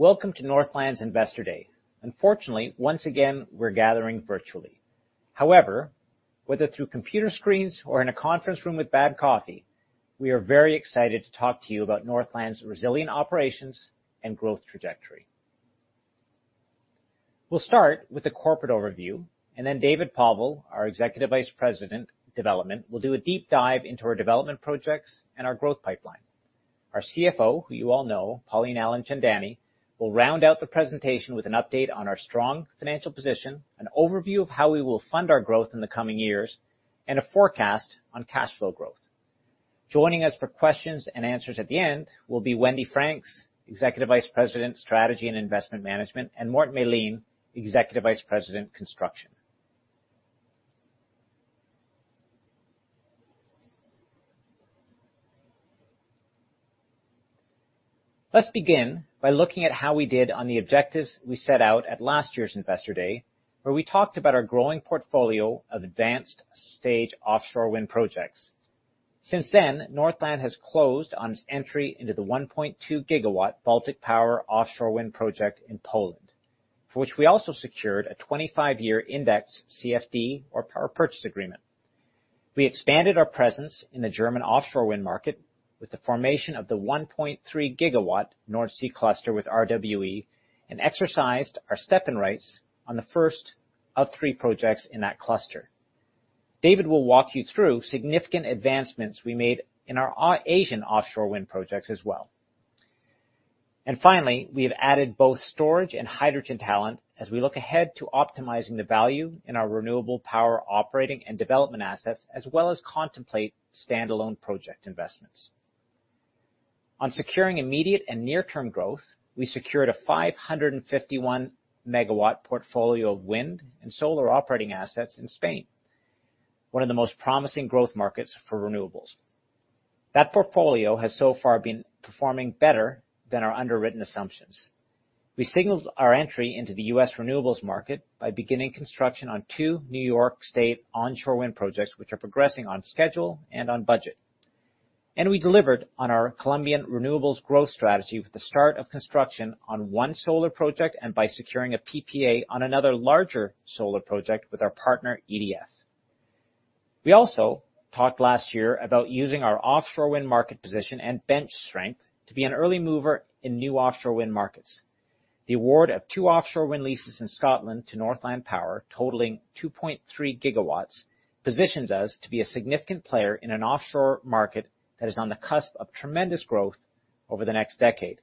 Welcome to Northland's Investor Day. Unfortunately, once again, we're gathering virtually. However, whether through computer screens or in a conference room with bad coffee, we are very excited to talk to you about Northland's resilient operations and growth trajectory. We'll start with a corporate overview, and then David Povall, our Executive Vice President, Development, will do a deep dive into our development projects and our growth pipeline. Our CFO, who you all know, Pauline Alimchandani, will round out the presentation with an update on our strong financial position, an overview of how we will fund our growth in the coming years, and a forecast on cash flow growth. Joining us for questions and answers at the end will be Wendy Franks, Executive Vice President, Strategy and Investment Management, and Morten Melin, Executive Vice President, Construction. Let's begin by looking at how we did on the objectives we set out at last year's Investor Day, where we talked about our growing portfolio of advanced stage offshore wind projects. Since then, Northland has closed on its entry into the 1.2-GW Baltic Power offshore wind project in Poland, for which we also secured a 25-year index CFD or power purchase agreement. We expanded our presence in the German offshore wind market with the formation of the 1.3-GW North Sea Cluster with RWE and exercised our step-in rights on the first of three projects in that cluster. David will walk you through significant advancements we made in our Asian offshore wind projects as well. Finally, we have added both storage and hydrogen talent as we look ahead to optimizing the value in our renewable power operating and development assets, as well as contemplate stand-alone project investments. On securing immediate and near-term growth, we secured a 551 MW portfolio of wind and solar operating assets in Spain, one of the most promising growth markets for renewables. That portfolio has so far been performing better than our underwritten assumptions. We signaled our entry into the U.S. renewables market by beginning construction on two New York State onshore wind projects, which are progressing on schedule and on budget. We delivered on our Colombian renewables growth strategy with the start of construction on one solar project and by securing a PPA on another larger solar project with our partner, EDF. We also talked last year about using our offshore wind market position and bench strength to be an early mover in new offshore wind markets. The award of two offshore wind leases in Scotland to Northland Power, totaling 2.3 GW, positions us to be a significant player in an offshore market that is on the cusp of tremendous growth over the next decade.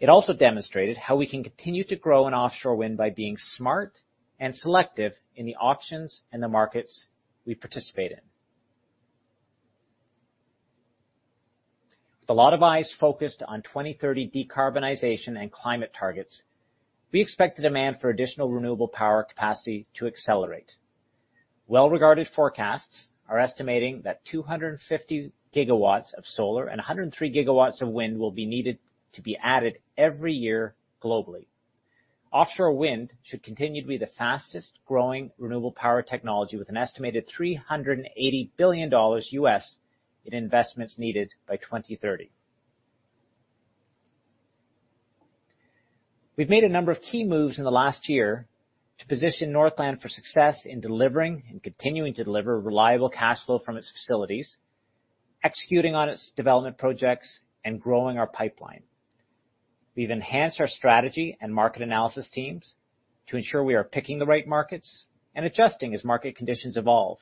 It also demonstrated how we can continue to grow in offshore wind by being smart and selective in the auctions and the markets we participate in. With a lot of eyes focused on 2030 decarbonization and climate targets, we expect the demand for additional renewable power capacity to accelerate. Well-regarded forecasts are estimating that 250 GW of solar and 103 GW of wind will be needed to be added every year globally. Offshore wind should continue to be the fastest-growing renewable power technology, with an estimated $380 billion in investments needed by 2030. We've made a number of key moves in the last year to position Northland for success in delivering and continuing to deliver reliable cash flow from its facilities, executing on its development projects, and growing our pipeline. We've enhanced our strategy and market analysis teams to ensure we are picking the right markets and adjusting as market conditions evolve.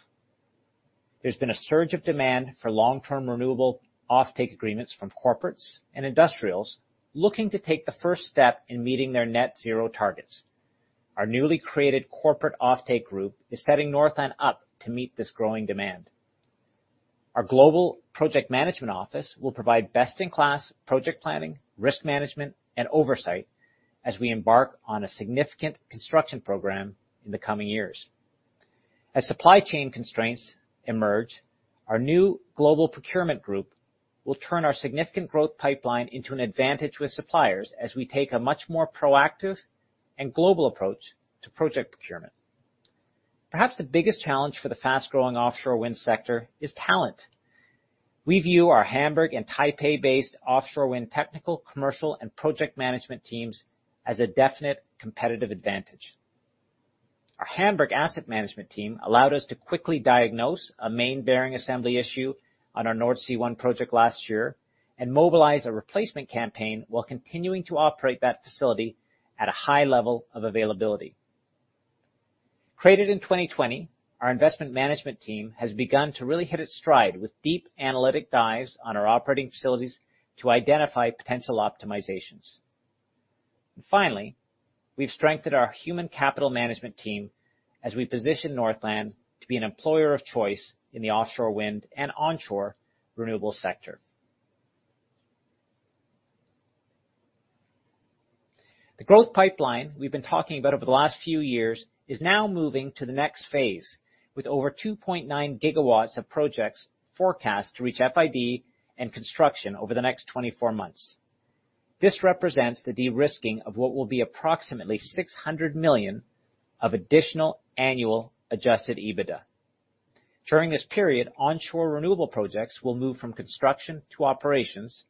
There's been a surge of demand for long-term renewable offtake agreements from corporates and industrials looking to take the first step in meeting their net zero targets. Our newly created corporate offtake group is setting Northland up to meet this growing demand. Our global project management office will provide best-in-class project planning, risk management, and oversight as we embark on a significant construction program in the coming years. As supply chain constraints emerge, our new global procurement group will turn our significant growth pipeline into an advantage with suppliers as we take a much more proactive and global approach to project procurement. Perhaps the biggest challenge for the fast-growing offshore wind sector is talent. We view our Hamburg and Taipei-based offshore wind technical, commercial, and project management teams as a definite competitive advantage. Our Hamburg asset management team allowed us to quickly diagnose a main bearing assembly issue on our Nordsee One project last year and mobilize a replacement campaign while continuing to operate that facility at a high level of availability. Created in 2020, our investment management team has begun to really hit its stride with deep analytic dives on our operating facilities to identify potential optimizations. Finally, we've strengthened our human capital management team as we position Northland to be an employer of choice in the offshore wind and onshore renewable sector. The growth pipeline we've been talking about over the last few years is now moving to the next phase, with over 2.9 GW of projects forecast to reach FID and construction over the next 24 months. This represents the de-risking of what will be approximately 600 million of additional annual adjusted EBITDA. During this period, onshore renewable projects will move from construction to operations,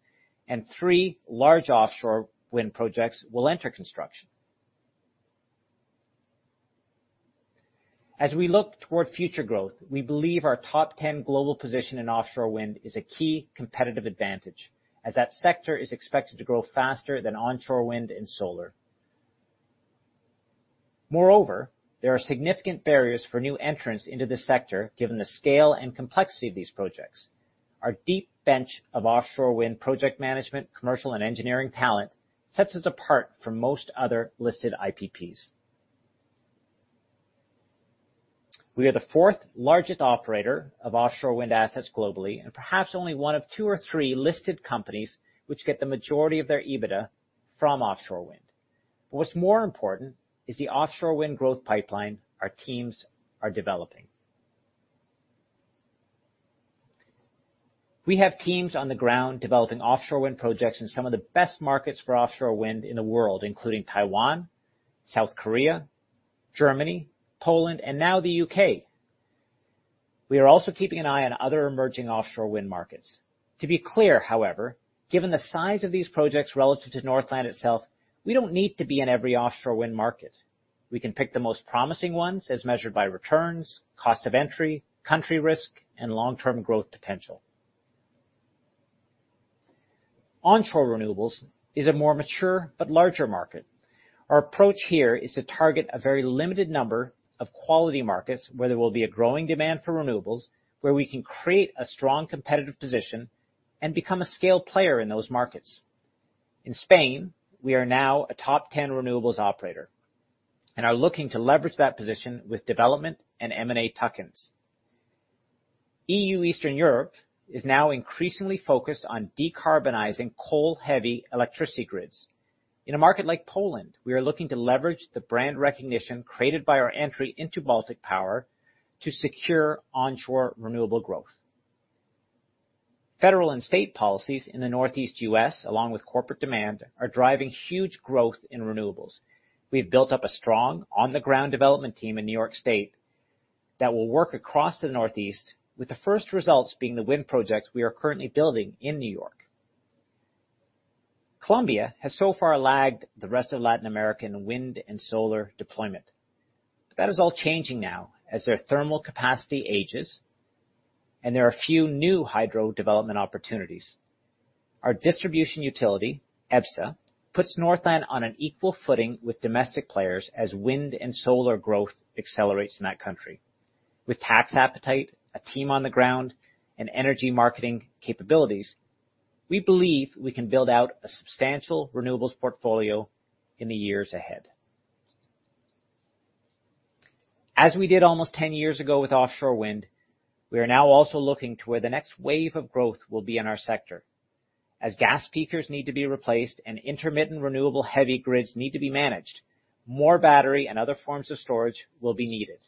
and three large offshore wind projects will enter construction. As we look toward future growth, we believe our top 10 global position in offshore wind is a key competitive advantage, as that sector is expected to grow faster than onshore wind and solar. Moreover, there are significant barriers for new entrants into this sector, given the scale and complexity of these projects. Our deep bench of offshore wind project management, commercial, and engineering talent sets us apart from most other listed IPPs. We are the fourth-largest operator of offshore wind assets globally, and perhaps only one of two or three listed companies which get the majority of their EBITDA from offshore wind. What's more important is the offshore wind growth pipeline our teams are developing. We have teams on the ground developing offshore wind projects in some of the best markets for offshore wind in the world, including Taiwan, South Korea, Germany, Poland, and now the U.K. We are also keeping an eye on other emerging offshore wind markets. To be clear, however, given the size of these projects relative to Northland itself, we don't need to be in every offshore wind market. We can pick the most promising ones as measured by returns, cost of entry, country risk, and long-term growth potential. Onshore renewables is a more mature but larger market. Our approach here is to target a very limited number of quality markets where there will be a growing demand for renewables, where we can create a strong competitive position and become a scale player in those markets. In Spain, we are now a top ten renewables operator and are looking to leverage that position with development and M&A tuck-ins. EU Eastern Europe is now increasingly focused on decarbonizing coal-heavy electricity grids. In a market like Poland, we are looking to leverage the brand recognition created by our entry into Baltic Power to secure onshore renewable growth. Federal and state policies in the Northeast U.S., along with corporate demand, are driving huge growth in renewables. We have built up a strong on-the-ground development team in New York State that will work across the Northeast, with the first results being the wind projects we are currently building in New York. Colombia has so far lagged the rest of Latin American wind and solar deployment. That is all changing now as their thermal capacity ages and there are few new hydro development opportunities. Our distribution utility, EBSA, puts Northland on an equal footing with domestic players as wind and solar growth accelerates in that country. With tax appetite, a team on the ground, and energy marketing capabilities, we believe we can build out a substantial renewables portfolio in the years ahead. As we did almost 10 years ago with offshore wind, we are now also looking to where the next wave of growth will be in our sector. As gas peakers need to be replaced and intermittent renewable-heavy grids need to be managed, more battery and other forms of storage will be needed.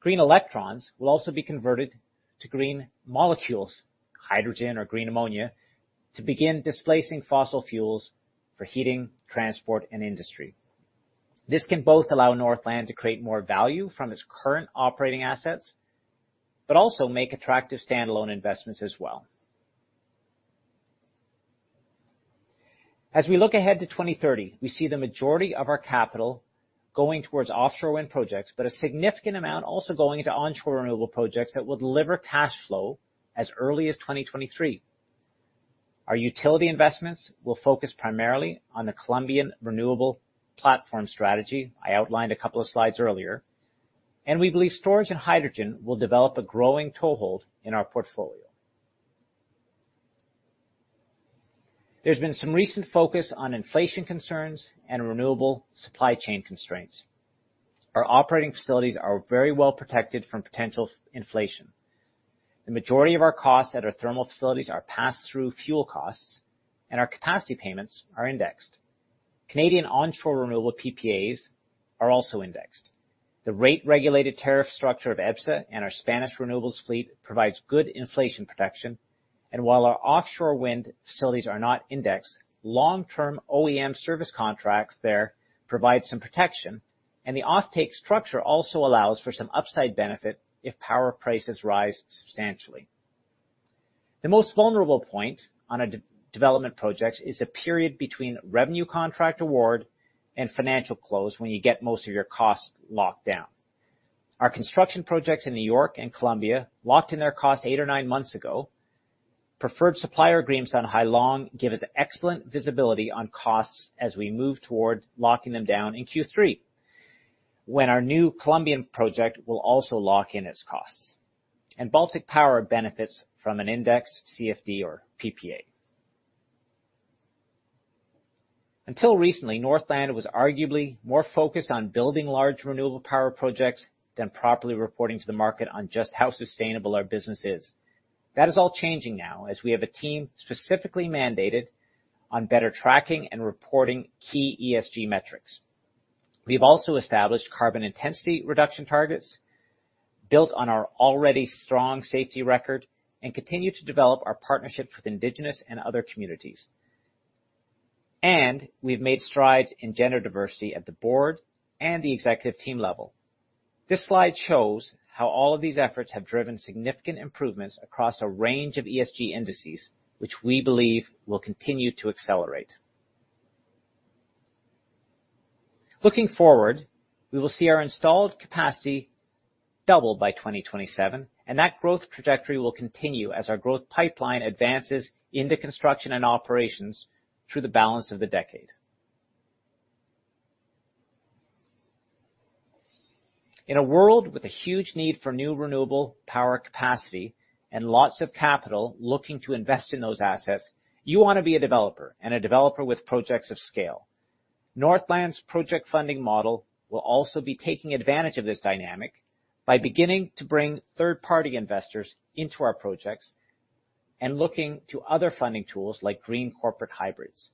Green electrons will also be converted to green molecules, hydrogen or green ammonia, to begin displacing fossil fuels for heating, transport, and industry. This can both allow Northland to create more value from its current operating assets, but also make attractive standalone investments as well. As we look ahead to 2030, we see the majority of our capital going towards offshore wind projects, but a significant amount also going into onshore renewable projects that will deliver cash flow as early as 2023. Our utility investments will focus primarily on the Colombian renewable platform strategy I outlined a couple of slides earlier, and we believe storage and hydrogen will develop a growing toehold in our portfolio. There's been some recent focus on inflation concerns and renewable supply chain constraints. Our operating facilities are very well-protected from potential inflation. The majority of our costs at our thermal facilities are passed through fuel costs, and our capacity payments are indexed. Canadian onshore renewable PPAs are also indexed. The rate-regulated tariff structure of EBSA and our Spanish renewables fleet provides good inflation protection. While our offshore wind facilities are not indexed, long-term OEM service contracts there provide some protection, and the offtake structure also allows for some upside benefit if power prices rise substantially. The most vulnerable point on a development project is the period between revenue contract award and financial close when you get most of your costs locked down. Our construction projects in New York and Colombia locked in their costs eight or nine months ago. Preferred supplier agreements on Hai Long give us excellent visibility on costs as we move toward locking them down in Q3, when our new Colombian project will also lock in its costs. Baltic Power benefits from an indexed CFD or PPA. Until recently, Northland was arguably more focused on building large renewable power projects than properly reporting to the market on just how sustainable our business is. That is all changing now as we have a team specifically mandated on better tracking and reporting key ESG metrics. We've also established carbon intensity reduction targets, built on our already strong safety record, and continue to develop our partnerships with Indigenous and other communities. We've made strides in gender diversity at the board and the executive team level. This slide shows how all of these efforts have driven significant improvements across a range of ESG indices, which we believe will continue to accelerate. Looking forward, we will see our installed capacity double by 2027, and that growth trajectory will continue as our growth pipeline advances into construction and operations through the balance of the decade. In a world with a huge need for new renewable power capacity and lots of capital looking to invest in those assets, you wanna be a developer, and a developer with projects of scale. Northland's project funding model will also be taking advantage of this dynamic by beginning to bring third-party investors into our projects and looking to other funding tools like green corporate hybrids.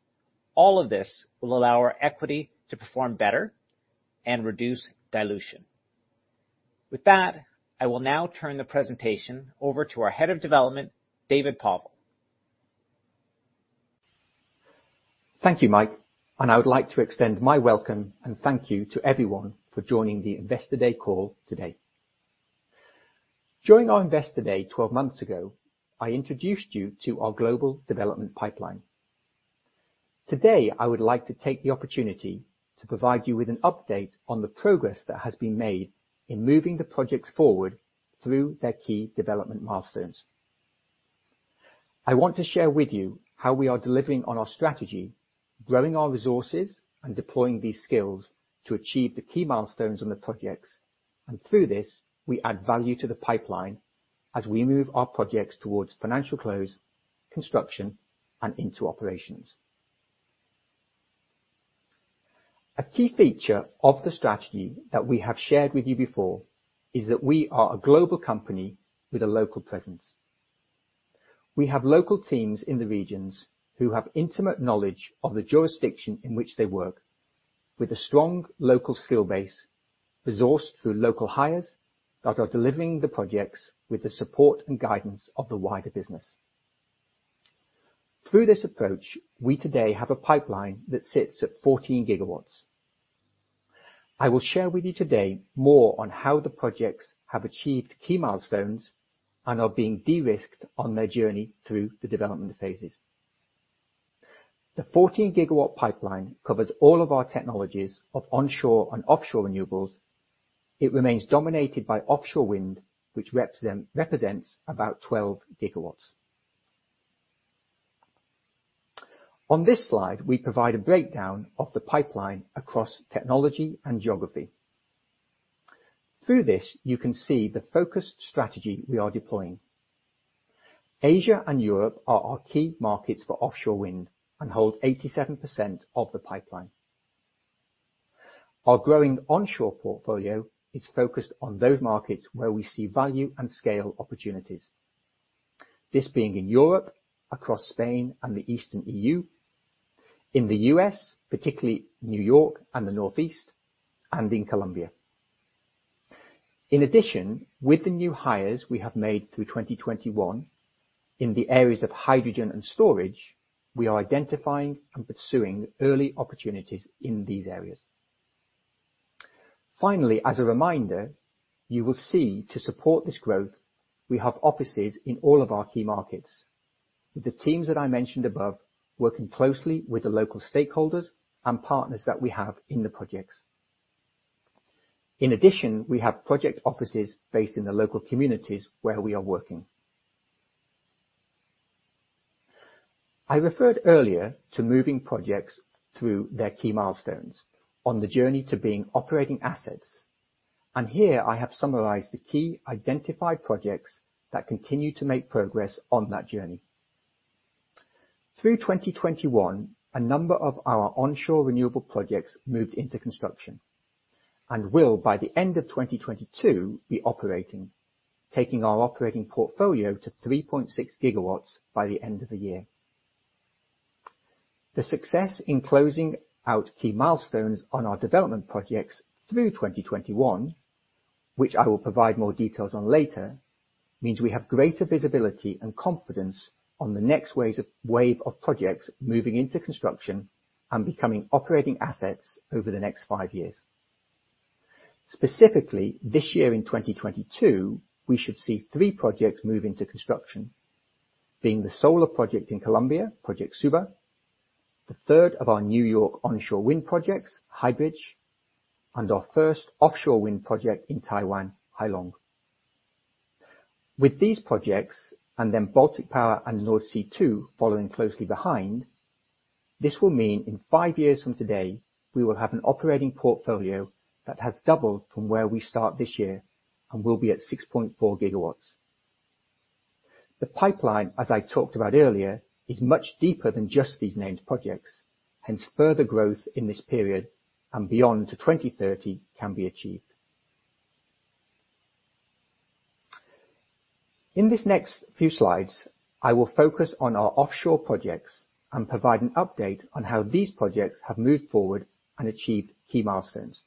All of this will allow our equity to perform better and reduce dilution. With that, I will now turn the presentation over to our head of development, David Povall. Thank you, Mike, and I would like to extend my welcome and thank you to everyone for joining the Investor Day call today. During our Investor Day 12 months ago, I introduced you to our global development pipeline. Today, I would like to take the opportunity to provide you with an update on the progress that has been made in moving the projects forward through their key development milestones. I want to share with you how we are delivering on our strategy, growing our resources, and deploying these skills to achieve the key milestones on the projects. Through this, we add value to the pipeline as we move our projects towards financial close, construction, and into operations. A key feature of the strategy that we have shared with you before is that we are a global company with a local presence. We have local teams in the regions who have intimate knowledge of the jurisdiction in which they work, with a strong local skill base, resourced through local hires that are delivering the projects with the support and guidance of the wider business. Through this approach, we today have a pipeline that sits at 14 GW. I will share with you today more on how the projects have achieved key milestones and are being de-risked on their journey through the development phases. The 14-GW pipeline covers all of our technologies of onshore and offshore renewables. It remains dominated by offshore wind, which represents about 12 GW. On this slide, we provide a breakdown of the pipeline across technology and geography. Through this, you can see the focused strategy we are deploying. Asia and Europe are our key markets for offshore wind and hold 87% of the pipeline. Our growing onshore portfolio is focused on those markets where we see value and scale opportunities, this being in Europe, across Spain and the Eastern EU, in the U.S., particularly New York and the Northeast, and in Colombia. In addition, with the new hires we have made through 2021 in the areas of hydrogen and storage, we are identifying and pursuing early opportunities in these areas. Finally, as a reminder, you will see, to support this growth, we have offices in all of our key markets, the teams that I mentioned above working closely with the local stakeholders and partners that we have in the projects. In addition, we have project offices based in the local communities where we are working. I referred earlier to moving projects through their key milestones on the journey to being operating assets, and here I have summarized the key identified projects that continue to make progress on that journey. Through 2021, a number of our onshore renewable projects moved into construction and will, by the end of 2022, be operating, taking our operating portfolio to 3.6 GW by the end of the year. The success in closing out key milestones on our development projects through 2021, which I will provide more details on later, means we have greater visibility and confidence on the next wave of projects moving into construction and becoming operating assets over the next five years. Specifically, this year in 2022, we should see three projects move into construction, being the solar project in Colombia, Suba, the third of our New York onshore wind projects, High Bridge, and our first offshore wind project in Taiwan, Hai Long. With these projects, and then Baltic Power and Nordsee Two following closely behind, this will mean in five years from today, we will have an operating portfolio that has doubled from where we start this year and will be at 6.4 GW. The pipeline, as I talked about earlier, is much deeper than just these named projects, hence further growth in this period and beyond to 2030 can be achieved. In this next few slides, I will focus on our offshore projects and provide an update on how these projects have moved forward and achieved key milestones.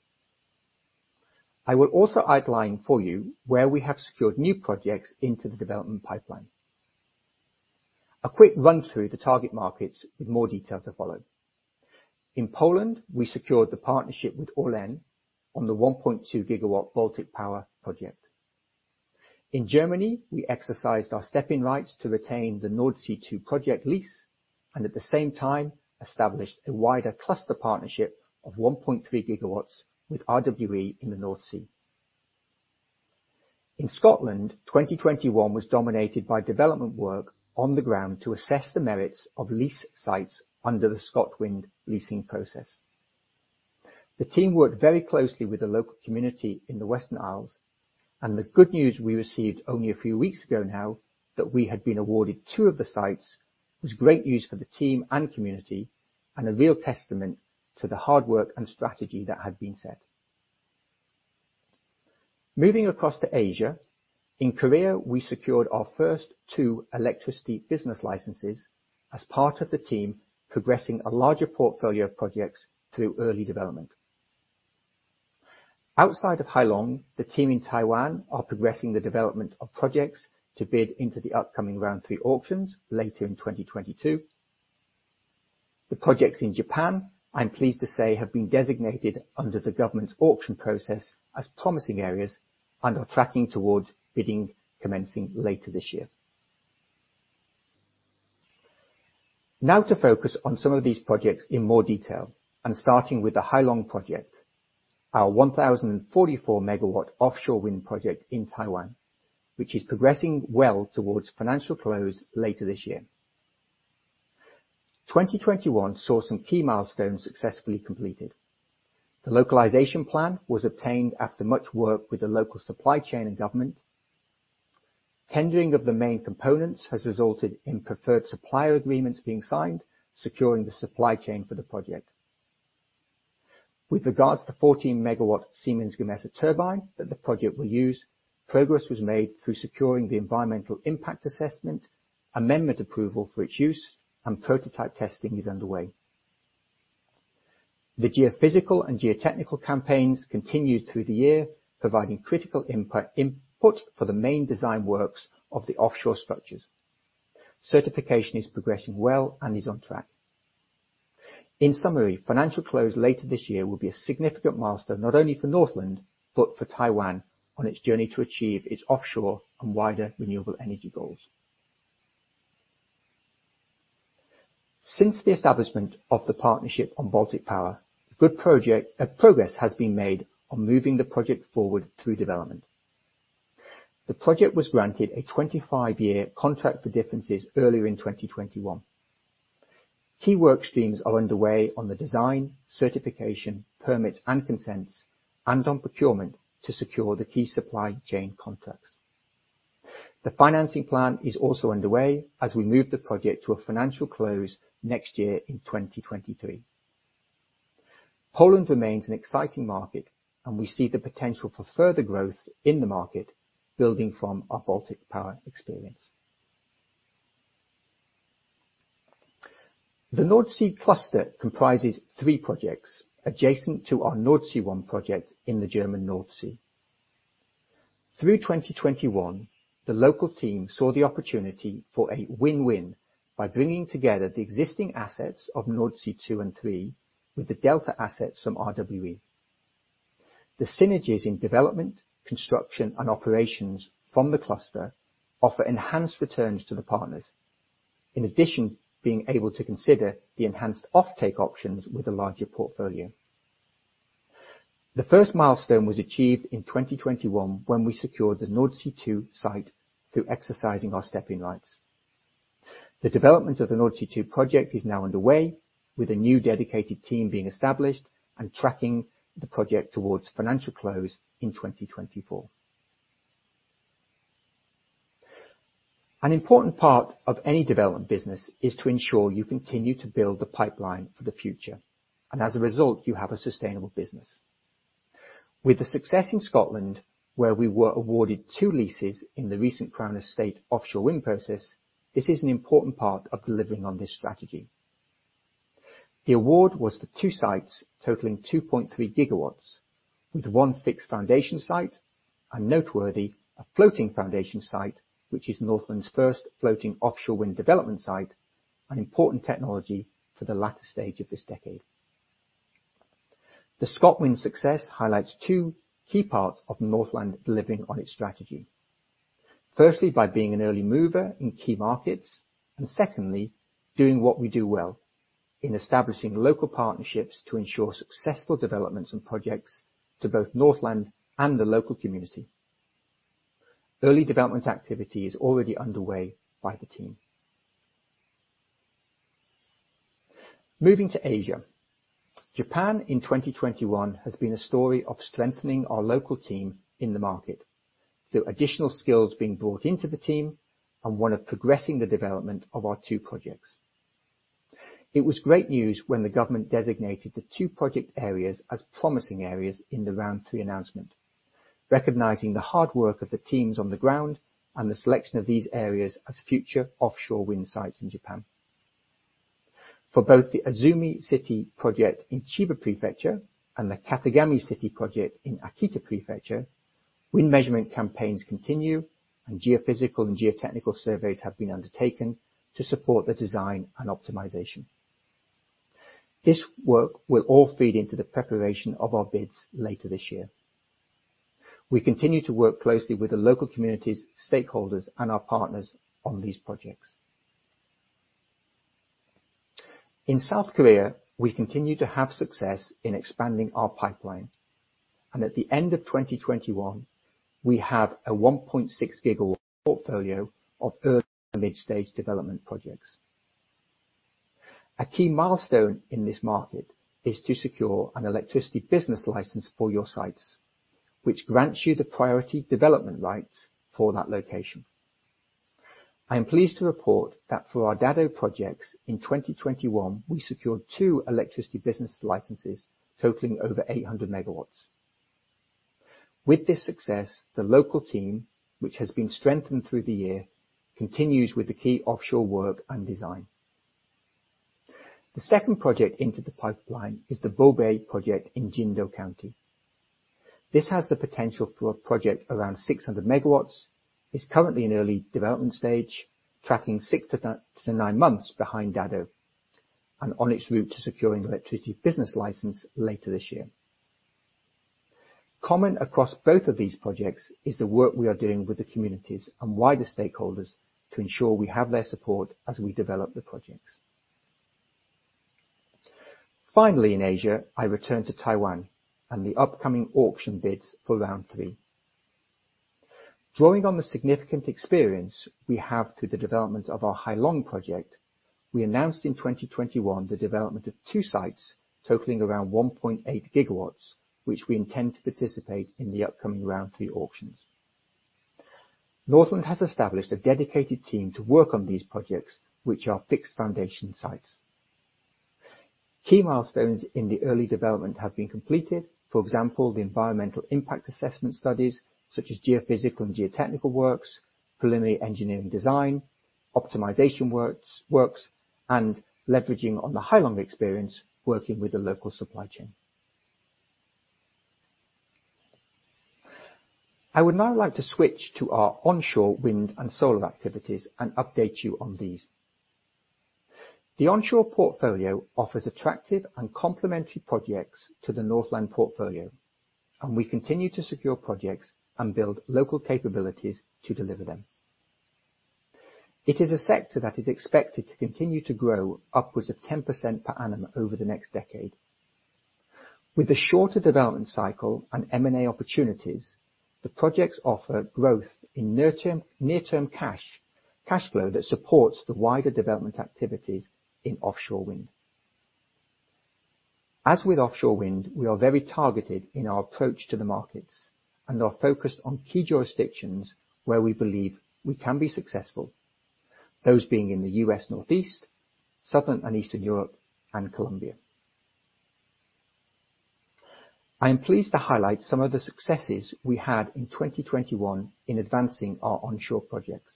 I will also outline for you where we have secured new projects into the development pipeline. A quick run through the target markets with more detail to follow. In Poland, we secured the partnership with ORLEN on the 1.2 GW Baltic Power project. In Germany, we exercised our step-in rights to retain the Nordsee Two project lease, and at the same time established a wider cluster partnership of 1.3 GW with RWE in the North Sea. In Scotland, 2021 was dominated by development work on the ground to assess the merits of lease sites under the ScotWind leasing process. The team worked very closely with the local community in the Western Isles, and the good news we received only a few weeks ago now that we had been awarded two of the sites was great news for the team and community and a real testament to the hard work and strategy that had been set. Moving across to Asia. In Korea, we secured our first two electricity business licenses as part of the team progressing a larger portfolio of projects through early development. Outside of Hai Long, the team in Taiwan are progressing the development of projects to bid into the upcoming round three auctions later in 2022. The projects in Japan, I'm pleased to say, have been designated under the government's auction process as promising areas and are tracking towards bidding commencing later this year. Now to focus on some of these projects in more detail, starting with the Hai Long project, our 1,044 MW offshore wind project in Taiwan, which is progressing well towards financial close later this year. 2021 saw some key milestones successfully completed. The localization plan was obtained after much work with the local supply chain and government. Tendering of the main components has resulted in preferred supplier agreements being signed, securing the supply chain for the project. With regards to the 14 MW Siemens Gamesa turbine that the project will use, progress was made through securing the environmental impact assessment, amendment approval for its use, and prototype testing is underway. The geophysical and geotechnical campaigns continued through the year, providing critical input for the main design works of the offshore structures. Certification is progressing well and is on track. In summary, financial close later this year will be a significant milestone, not only for Northland but for Taiwan on its journey to achieve its offshore and wider renewable energy goals. Since the establishment of the partnership on Baltic Power, good progress has been made on moving the project forward through development. The project was granted a 25-year contract for differences earlier in 2021. Key work streams are underway on the design, certification, permits, and consents, and on procurement to secure the key supply chain contracts. The financing plan is also underway as we move the project to a financial close next year in 2023. Poland remains an exciting market, and we see the potential for further growth in the market, building from our Baltic Power experience. The Nordsee Cluster comprises three projects adjacent to our Nordsee One project in the German North Sea. Through 2021, the local team saw the opportunity for a win-win by bringing together the existing assets of Nordsee Two and Three with the Delta assets from RWE. The synergies in development, construction, and operations from the cluster offer enhanced returns to the partners, in addition to being able to consider the enhanced offtake options with a larger portfolio. The first milestone was achieved in 2021 when we secured the Nordsee Two site through exercising our step-in rights. The development of the Nordsee Two project is now underway, with a new dedicated team being established and tracking the project towards financial close in 2024. An important part of any development business is to ensure you continue to build the pipeline for the future, and as a result, you have a sustainable business. With the success in Scotland, where we were awarded two leases in the recent Crown Estate offshore wind process, this is an important part of delivering on this strategy. The award was for two sites totaling 2.3 GW, with one fixed foundation site and noteworthy, a floating foundation site, which is Northland's first floating offshore wind development site, an important technology for the latter stage of this decade. The ScotWind success highlights two key parts of Northland delivering on its strategy. Firstly, by being an early mover in key markets, and secondly, doing what we do well in establishing local partnerships to ensure successful developments and projects to both Northland and the local community. Early development activity is already underway by the team. Moving to Asia. Japan in 2021 has been a story of strengthening our local team in the market through additional skills being brought into the team and one of progressing the development of our two projects. It was great news when the government designated the two project areas as promising areas in the round three announcement, recognizing the hard work of the teams on the ground and the selection of these areas as future offshore wind sites in Japan. For both the Izumi City project in Chiba Prefecture and the Katagami City project in Akita Prefecture, wind measurement campaigns continue, and geophysical and geotechnical surveys have been undertaken to support the design and optimization. This work will all feed into the preparation of our bids later this year. We continue to work closely with the local communities, stakeholders, and our partners on these projects. In South Korea, we continue to have success in expanding our pipeline. At the end of 2021, we have a 1.6 GW portfolio of early and mid-stage development projects. A key milestone in this market is to secure an electricity business license for your sites, which grants you the priority development rights for that location. I am pleased to report that for our Dado Projects in 2021, we secured two electricity business licenses totaling over 800 MW. With this success, the local team, which has been strengthened through the year, continues with the key offshore work and design. The second project into the pipeline is the Bobae Project in Jindo County. This has the potential for a project around 600 MW, is currently in early development stage, tracking six-nine months behind Dado, and on its route to securing electricity business license later this year. Common across both of these projects is the work we are doing with the communities and wider stakeholders to ensure we have their support as we develop the projects. Finally, in Asia, I return to Taiwan and the upcoming auction bids for Round 3. Drawing on the significant experience we have through the development of our Hai Long project, we announced in 2021 the development of two sites totaling around 1.8 GW, which we intend to participate in the upcoming Round 3 auctions. Northland has established a dedicated team to work on these projects, which are fixed foundation sites. Key milestones in the early development have been completed. For example, the environmental impact assessment studies such as geophysical and geotechnical works, preliminary engineering design, optimization works, and leveraging on the Hai Long experience working with the local supply chain. I would now like to switch to our onshore wind and solar activities and update you on these. The onshore portfolio offers attractive and complementary projects to the Northland portfolio, and we continue to secure projects and build local capabilities to deliver them. It is a sector that is expected to continue to grow upwards of 10% per annum over the next decade. With the shorter development cycle and M&A opportunities, the projects offer growth in near-term cash flow that supports the wider development activities in offshore wind. As with offshore wind, we are very targeted in our approach to the markets and are focused on key jurisdictions where we believe we can be successful, those being in the U.S. Northeast, Southern and Eastern Europe, and Colombia. I am pleased to highlight some of the successes we had in 2021 in advancing our onshore projects.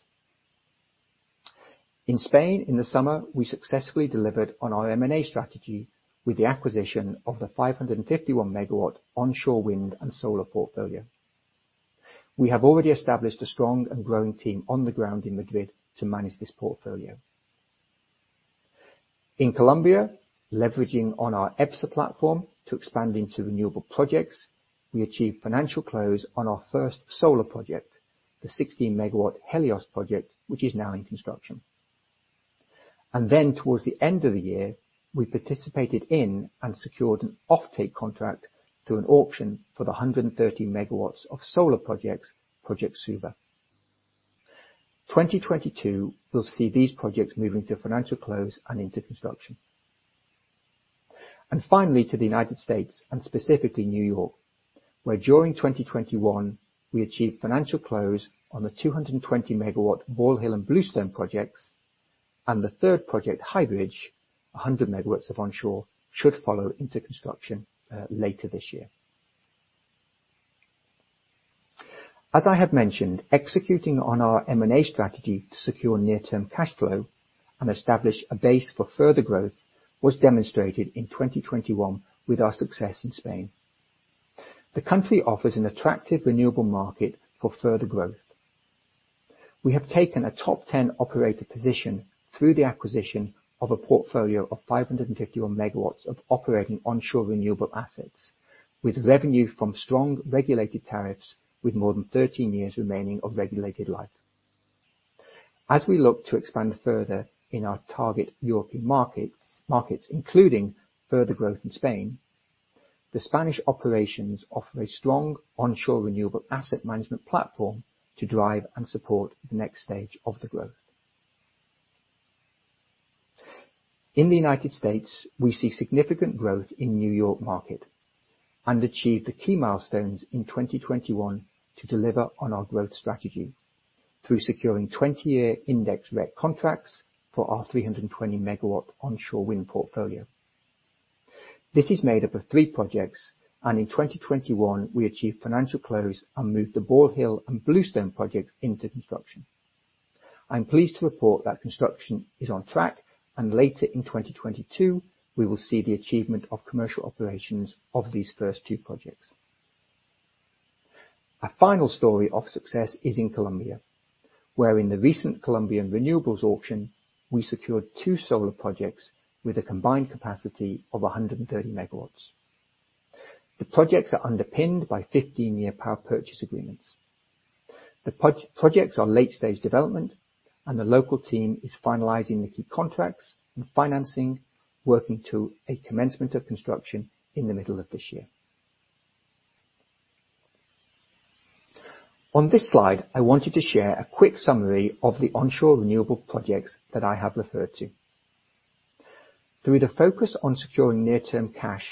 In Spain, in the summer, we successfully delivered on our M&A strategy with the acquisition of the 551 MW onshore wind and solar portfolio. We have already established a strong and growing team on the ground in Madrid to manage this portfolio. In Colombia, leveraging on our EBSA platform to expand into renewable projects, we achieved financial close on our first solar project, the 60 MW Helios Project, which is now in construction. Towards the end of the year, we participated in and secured an offtake contract through an auction for the 130 MW of solar projects, Project Suba. 2022 will see these projects moving to financial close and into construction. Finally, to the U.S. and specifically New York, where during 2021 we achieved financial close on the 220 MW Ball Hill and Bluestone Projects. The third project, High Bridge, 100 MW of onshore, should follow into construction later this year. As I have mentioned, executing on our M&A strategy to secure near-term cash flow and establish a base for further growth was demonstrated in 2021 with our success in Spain. The country offers an attractive renewable market for further growth. We have taken a top ten operator position through the acquisition of a portfolio of 551 MW of operating onshore renewable assets, with revenue from strong regulated tariffs with more than 13 years remaining of regulated life. As we look to expand further in our target European markets, including further growth in Spain, the Spanish operations offer a strong onshore renewable asset management platform to drive and support the next stage of the growth. In the U.S., we see significant growth in New York market and achieved the key milestones in 2021 to deliver on our growth strategy through securing 20-year index REC contracts for our 320 MW onshore wind portfolio. This is made up of three projects, and in 2021, we achieved financial close and moved the Ball Hill and Bluestone Projects into construction. I'm pleased to report that construction is on track, and later in 2022, we will see the achievement of commercial operations of these first two projects. Our final story of success is in Colombia, where in the recent Colombian renewables auction, we secured two solar projects with a combined capacity of 130 MW. The projects are underpinned by 15-year power purchase agreements. The projects are late-stage development, and the local team is finalizing the key contracts and financing, working to a commencement of construction in the middle of this year. On this slide, I wanted to share a quick summary of the onshore renewable projects that I have referred to. Through the focus on securing near-term cash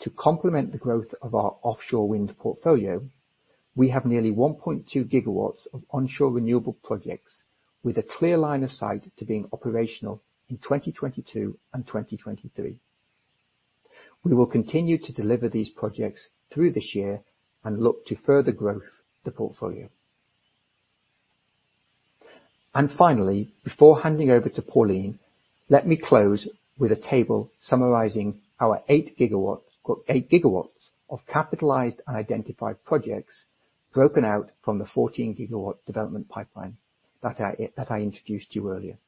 to complement the growth of our offshore wind portfolio, we have nearly 1.2 GW of onshore renewable projects with a clear line of sight to being operational in 2022 and 2023. We will continue to deliver these projects through this year and look to further grow the portfolio. Finally, before handing over to Pauline, let me close with a table summarizing our 8 GW of capitalized and identified projects broken out from the 14-GW development pipeline that I introduced you earlier.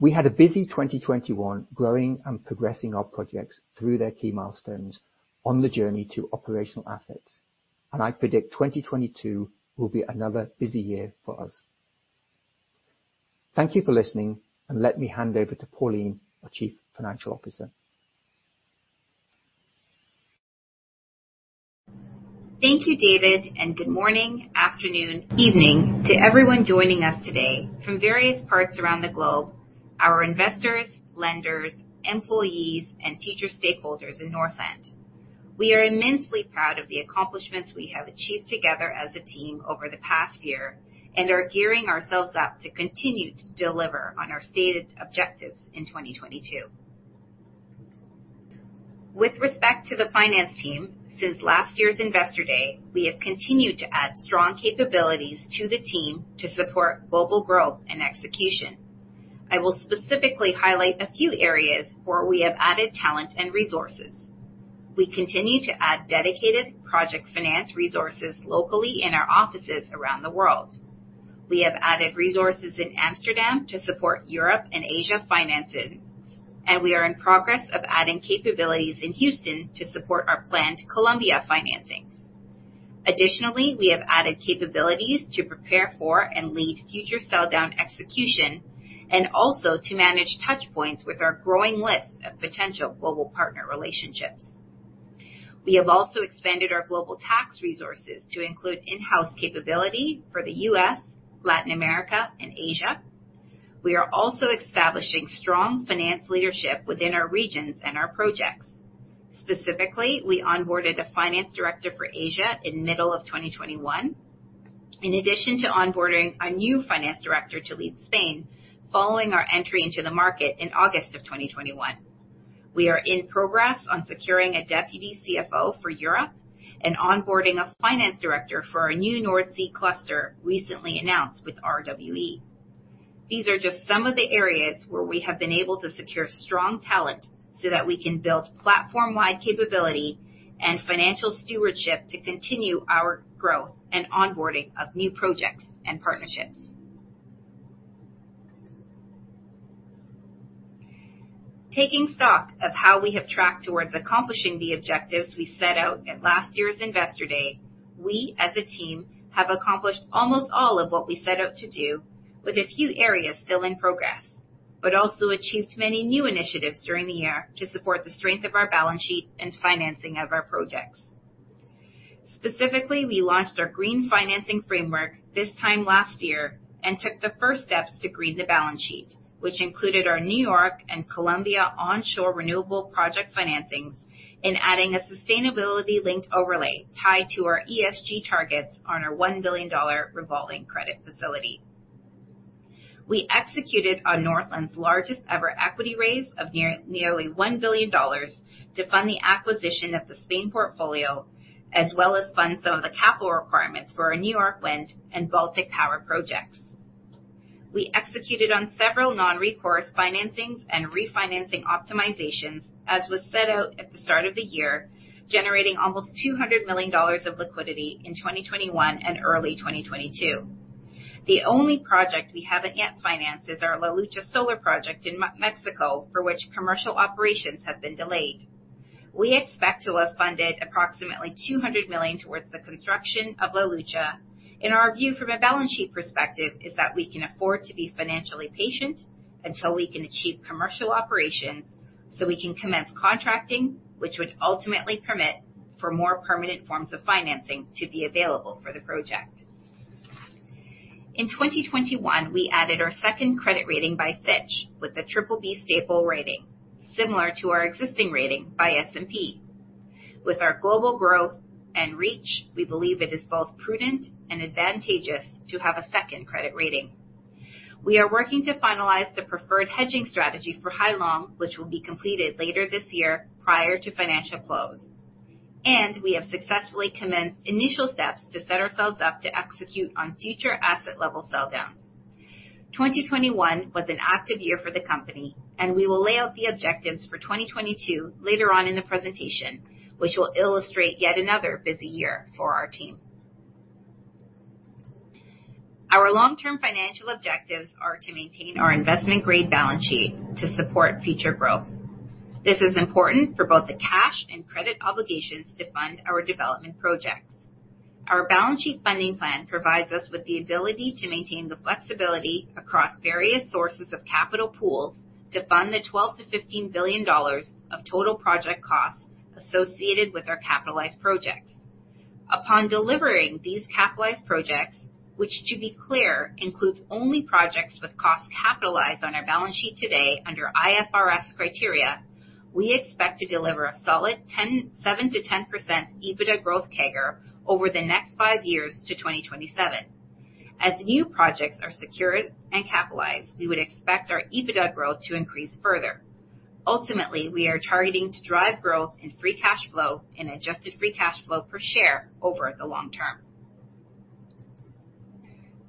We had a busy 2021 growing and progressing our projects through their key milestones on the journey to operational assets, and I predict 2022 will be another busy year for us. Thank you for listening, and let me hand over to Pauline, our Chief Financial Officer. Thank you, David, and good morning, afternoon, evening to everyone joining us today from various parts around the globe, our investors, lenders, employees, and other stakeholders in Northland. We are immensely proud of the accomplishments we have achieved together as a team over the past year and are gearing ourselves up to continue to deliver on our stated objectives in 2022. With respect to the finance team, since last year's Investor Day, we have continued to add strong capabilities to the team to support global growth and execution. I will specifically highlight a few areas where we have added talent and resources. We continue to add dedicated project finance resources locally in our offices around the world. We have added resources in Amsterdam to support Europe and Asia financing, and we are in progress of adding capabilities in Houston to support our planned Colombia financings. We have added capabilities to prepare for, and lead future sell down execution and also to manage touch points with our growing list of potential global partner relationships. We have also expanded our global tax resources to include in-house capability for the U.S., Latin America, and Asia. We are also establishing strong finance leadership within our regions and our projects. Specifically, we onboarded a finance director for Asia in middle of 2021, in addition to onboarding a new finance director to lead Spain following our entry into the market in August of 2021. We are in progress on securing a deputy CFO for Europe and onboarding a finance director for our new North Sea Cluster recently announced with RWE. These are just some of the areas where we have been able to secure strong talent so that we can build platform-wide capability and financial stewardship to continue our growth and onboarding of new projects and partnerships. Taking stock of how we have tracked towards accomplishing the objectives we set out at last year's Investor Day, we as a team have accomplished almost all of what we set out to do with a few areas still in progress, but also achieved many new initiatives during the year to support the strength of our balance sheet and financing of our projects. Specifically, we launched our green financing framework this time last year and took the first steps to green the balance sheet, which included our New York and Colombia onshore renewable project financings in adding a sustainability-linked overlay tied to our ESG targets on our 1 billion dollar revolving credit facility. We executed on Northland's largest-ever equity raise of nearly 1 billion dollars to fund the acquisition of the Spain portfolio, as well as fund some of the capital requirements for our New York Wind and Baltic Power projects. We executed on several non-recourse financings and refinancing optimizations, as was set out at the start of the year, generating almost 200 million dollars of liquidity in 2021 and early 2022. The only project we haven't yet financed is our La Lucha solar project in Mexico, for which commercial operations have been delayed. We expect to have funded approximately 200 million towards the construction of La Lucha, and our view from a balance sheet perspective is that we can afford to be financially patient until we can achieve commercial operations, so we can commence contracting, which would ultimately permit for more permanent forms of financing to be available for the project. In 2021, we added our second credit rating by Fitch with a BBB stable rating, similar to our existing rating by S&P. With our global growth and reach, we believe it is both prudent and advantageous to have a second credit rating. We are working to finalize the preferred hedging strategy for Hai Long, which will be completed later this year prior to financial close. We have successfully commenced initial steps to set ourselves up to execute on future asset-level sell downs. 2021 was an active year for the company, and we will lay out the objectives for 2022 later on in the presentation, which will illustrate yet another busy year for our team. Our long-term financial objectives are to maintain our investment-grade balance sheet to support future growth. This is important for both the cash and credit obligations to fund our development projects. Our balance sheet funding plan provides us with the ability to maintain the flexibility across various sources of capital pools to fund the 12 billion-15 billion dollars of total project costs associated with our capitalized projects. Upon delivering these capitalized projects, which, to be clear, includes only projects with costs capitalized on our balance sheet today under IFRS criteria, we expect to deliver a solid 7%-10% EBITDA growth CAGR over the next five years to 2027. As new projects are secured and capitalized, we would expect our EBITDA growth to increase further. Ultimately, we are targeting to drive growth in free cash flow and adjusted free cash flow per share over the long term.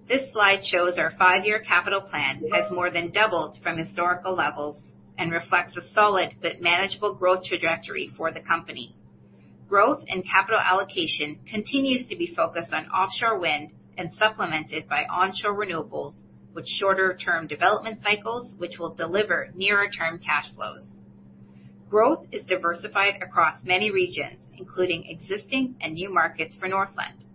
This slide shows our five-year capital plan has more than doubled from historical levels and reflects a solid but manageable growth trajectory for the company. Growth and capital allocation continues to be focused on offshore wind and supplemented by onshore renewables, with shorter-term development cycles, which will deliver nearer-term cash flows. Growth is diversified across many regions, including existing and new markets for Northland.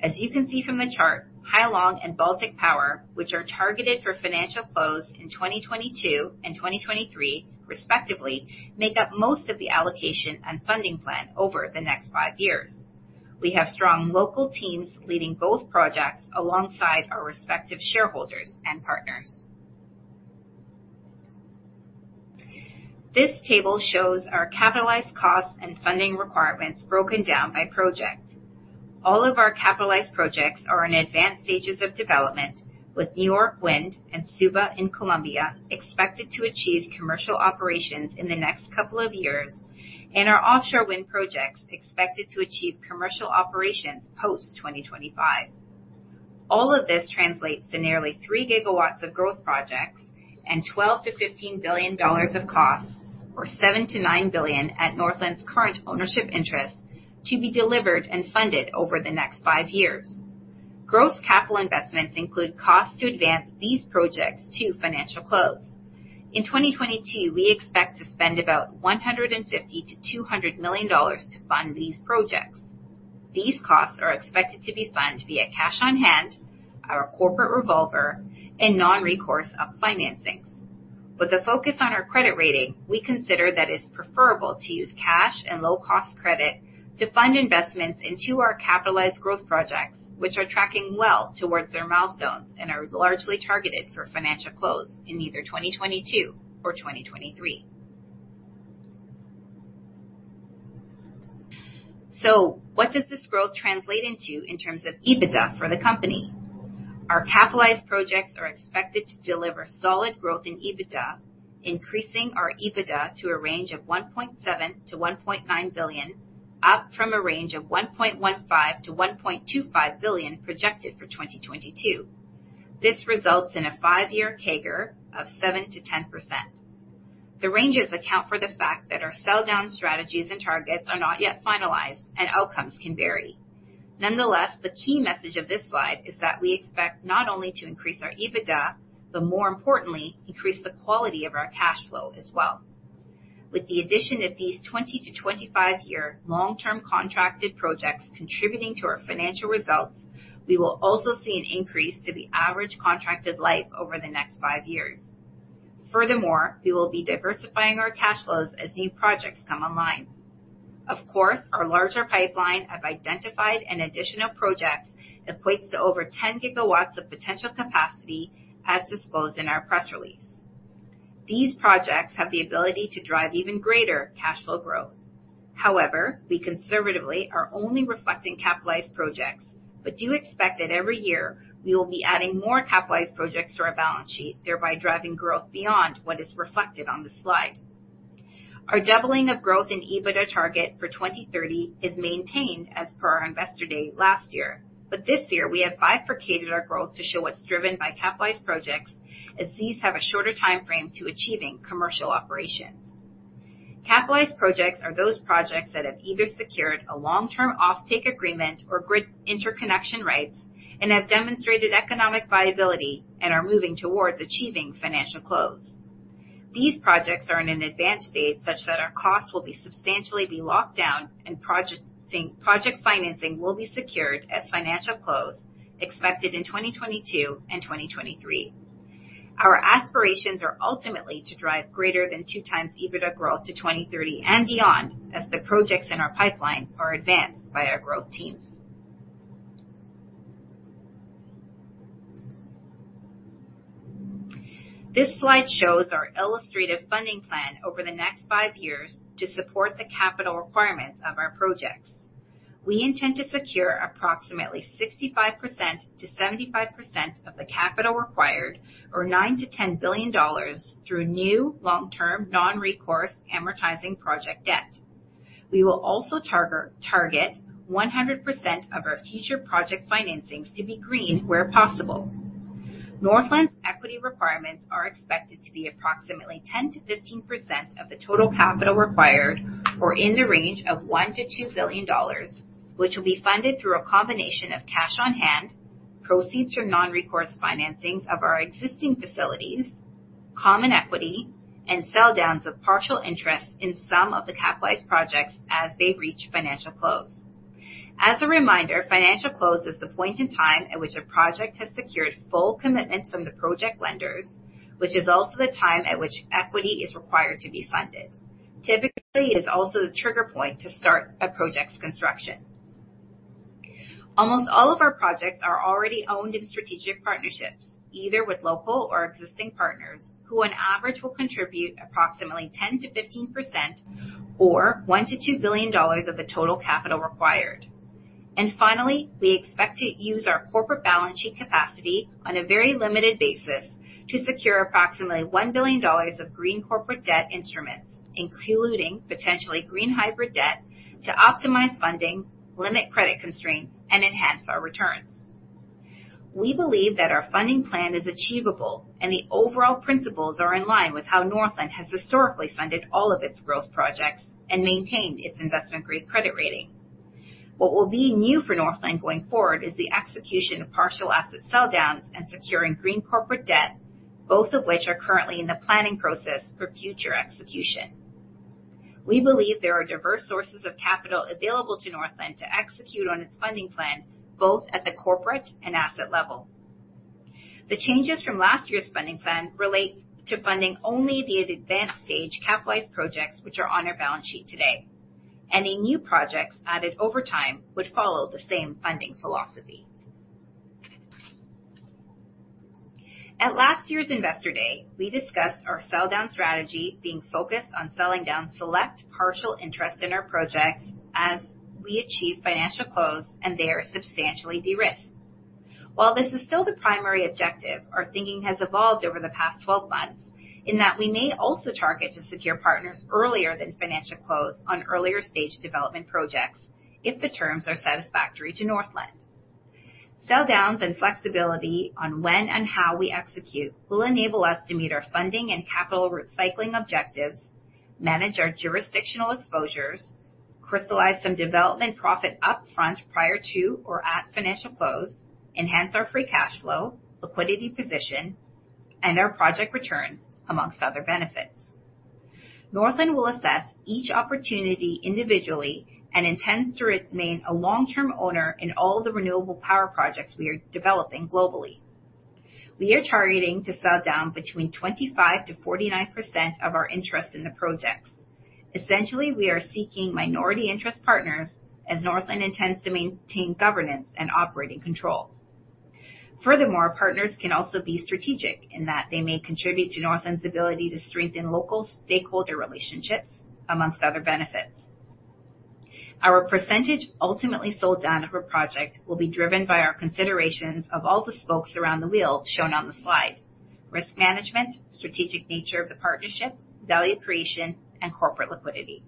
As you can see from the chart, Hai Long and Baltic Power, which are targeted for financial close in 2022 and 2023 respectively, make up most of the allocation and funding plan over the next five years. We have strong local teams leading both projects alongside our respective shareholders and partners. This table shows our capitalized costs and funding requirements broken down by project. All of our capitalized projects are in advanced stages of development, with New York Wind and Suba in Colombia expected to achieve commercial operations in the next couple of years, and our offshore wind projects expected to achieve commercial operations post-2025. All of this translates to nearly 3 GW of growth projects and 12 billion- 15 billion dollars of costs, or 7 billion- 9 billion at Northland's current ownership interest, to be delivered and funded over the next five years. Gross capital investments include costs to advance these projects to financial close. In 2022, we expect to spend about 150 million-200 million dollars to fund these projects. These costs are expected to be funded via cash on-hand, our corporate revolver, and non-recourse up financings. With the focus on our credit rating, we consider that it's preferable to use cash and low-cost credit to fund investments into our capitalized growth projects, which are tracking well towards their milestones and are largely targeted for financial close in either 2022 or 2023. What does this growth translate into in terms of EBITDA for the company? Our capitalized projects are expected to deliver solid growth in EBITDA, increasing our EBITDA to a range of 1.7 billion-1.9 billion, up from a range of 1.15 billion-1.25 billion projected for 2022. This results in a five-year CAGR of 7%-10%. The ranges account for the fact that our sell down strategies and targets are not yet finalized and outcomes can vary. Nonetheless, the key message of this slide is that we expect not only to increase our EBITDA, but more importantly, increase the quality of our cash flow as well. With the addition of these 20-25-year long-term contracted projects contributing to our financial results, we will also see an increase to the average contracted life over the next five years. Furthermore, we will be diversifying our cash flows as new projects come online. Of course, our larger pipeline has identified additional projects equating to over 10 GW of potential capacity as disclosed in our press release. These projects have the ability to drive even greater cash flow growth. However, we conservatively are only reflecting capitalized projects, but do expect that every year we will be adding more capitalized projects to our balance sheet, thereby driving growth beyond what is reflected on this slide. Our doubling of growth in EBITDA target for 2030 is maintained as per our investor date last year. This year we have bifurcated our growth to show what's driven by capitalized projects, as these have a shorter time frame to achieving commercial operations. Capitalized projects are those projects that have either secured a long-term offtake agreement or grid interconnection rights, and have demonstrated economic viability and are moving towards achieving financial close. These projects are in an advanced state such that our costs will be substantially locked down, and project financing will be secured at financial close, expected in 2022 and 2023. Our aspirations are ultimately to drive greater than 2x EBITDA growth to 2030 and beyond as the projects in our pipeline are advanced by our growth teams. This slide shows our illustrative funding plan over the next five years to support the capital requirements of our projects. We intend to secure approximately 65%-75% of the capital required, or 9 billion-10 billion dollars through new long-term non-recourse amortizing project debt. We will also target 100% of our future project financings to be green where possible. Northland's equity requirements are expected to be approximately 10%-15% of the total capital required, or in the range of 1 billion-2 billion dollars, which will be funded through a combination of cash on hand, proceeds or non-recourse financings of our existing facilities, common equity, and sell downs of partial interest in some of the capitalized projects as they reach financial close. As a reminder, financial close is the point in time at which a project has secured full commitments from the project lenders, which is also the time at which equity is required to be funded. Typically, it is also the trigger point to start a project's construction. Almost all of our projects are already owned in strategic partnerships, either with local or existing partners who on average will contribute approximately 10%-15% or 1 billion-2 billion dollars of the total capital required. Finally, we expect to use our corporate balance sheet capacity on a very limited basis to secure approximately 1 billion dollars of green corporate debt instruments, including potentially green hybrid debt to optimize funding, limit credit constraints, and enhance our returns. We believe that our funding plan is achievable and the overall principles are in line with how Northland has historically funded all of its growth projects and maintained its investment-grade credit rating. What will be new for Northland going forward is the execution of partial asset sell downs and securing green corporate debt, both of which are currently in the planning process for future execution. We believe there are diverse sources of capital available to Northland to execute on its funding plan, both at the corporate and asset level. The changes from last year's funding plan relate to funding only the advanced stage capitalized projects which are on our balance sheet today. Any new projects added over time would follow the same funding philosophy. At last year's Investor Day, we discussed our sell down strategy being focused on selling down select partial interest in our projects as we achieve financial close and they are substantially de-risked. While this is still the primary objective, our thinking has evolved over the past 12 months in that we may also target to secure partners earlier than financial close on earlier stage development projects if the terms are satisfactory to Northland. Sell-downs and flexibility on when and how we execute will enable us to meet our funding and capital recycling objectives, manage our jurisdictional exposures, crystallize some development profit upfront prior to or at financial close, enhance our free cash flow, liquidity position, and our project returns, among other benefits. Northland will assess each opportunity individually and intends to remain a long-term owner in all the renewable power projects we are developing globally. We are targeting to sell down between 25%-49% of our interest in the projects. Essentially, we are seeking minority interest partners as Northland intends to maintain governance and operating control. Furthermore, partners can also be strategic in that they may contribute to Northland's ability to strengthen local stakeholder relationships, among other benefits. Our percentage ultimately sold down of a project will be driven by our considerations of all the spokes around the wheel shown on the slide, risk management, strategic nature of the partnership, value creation, and corporate liquidity.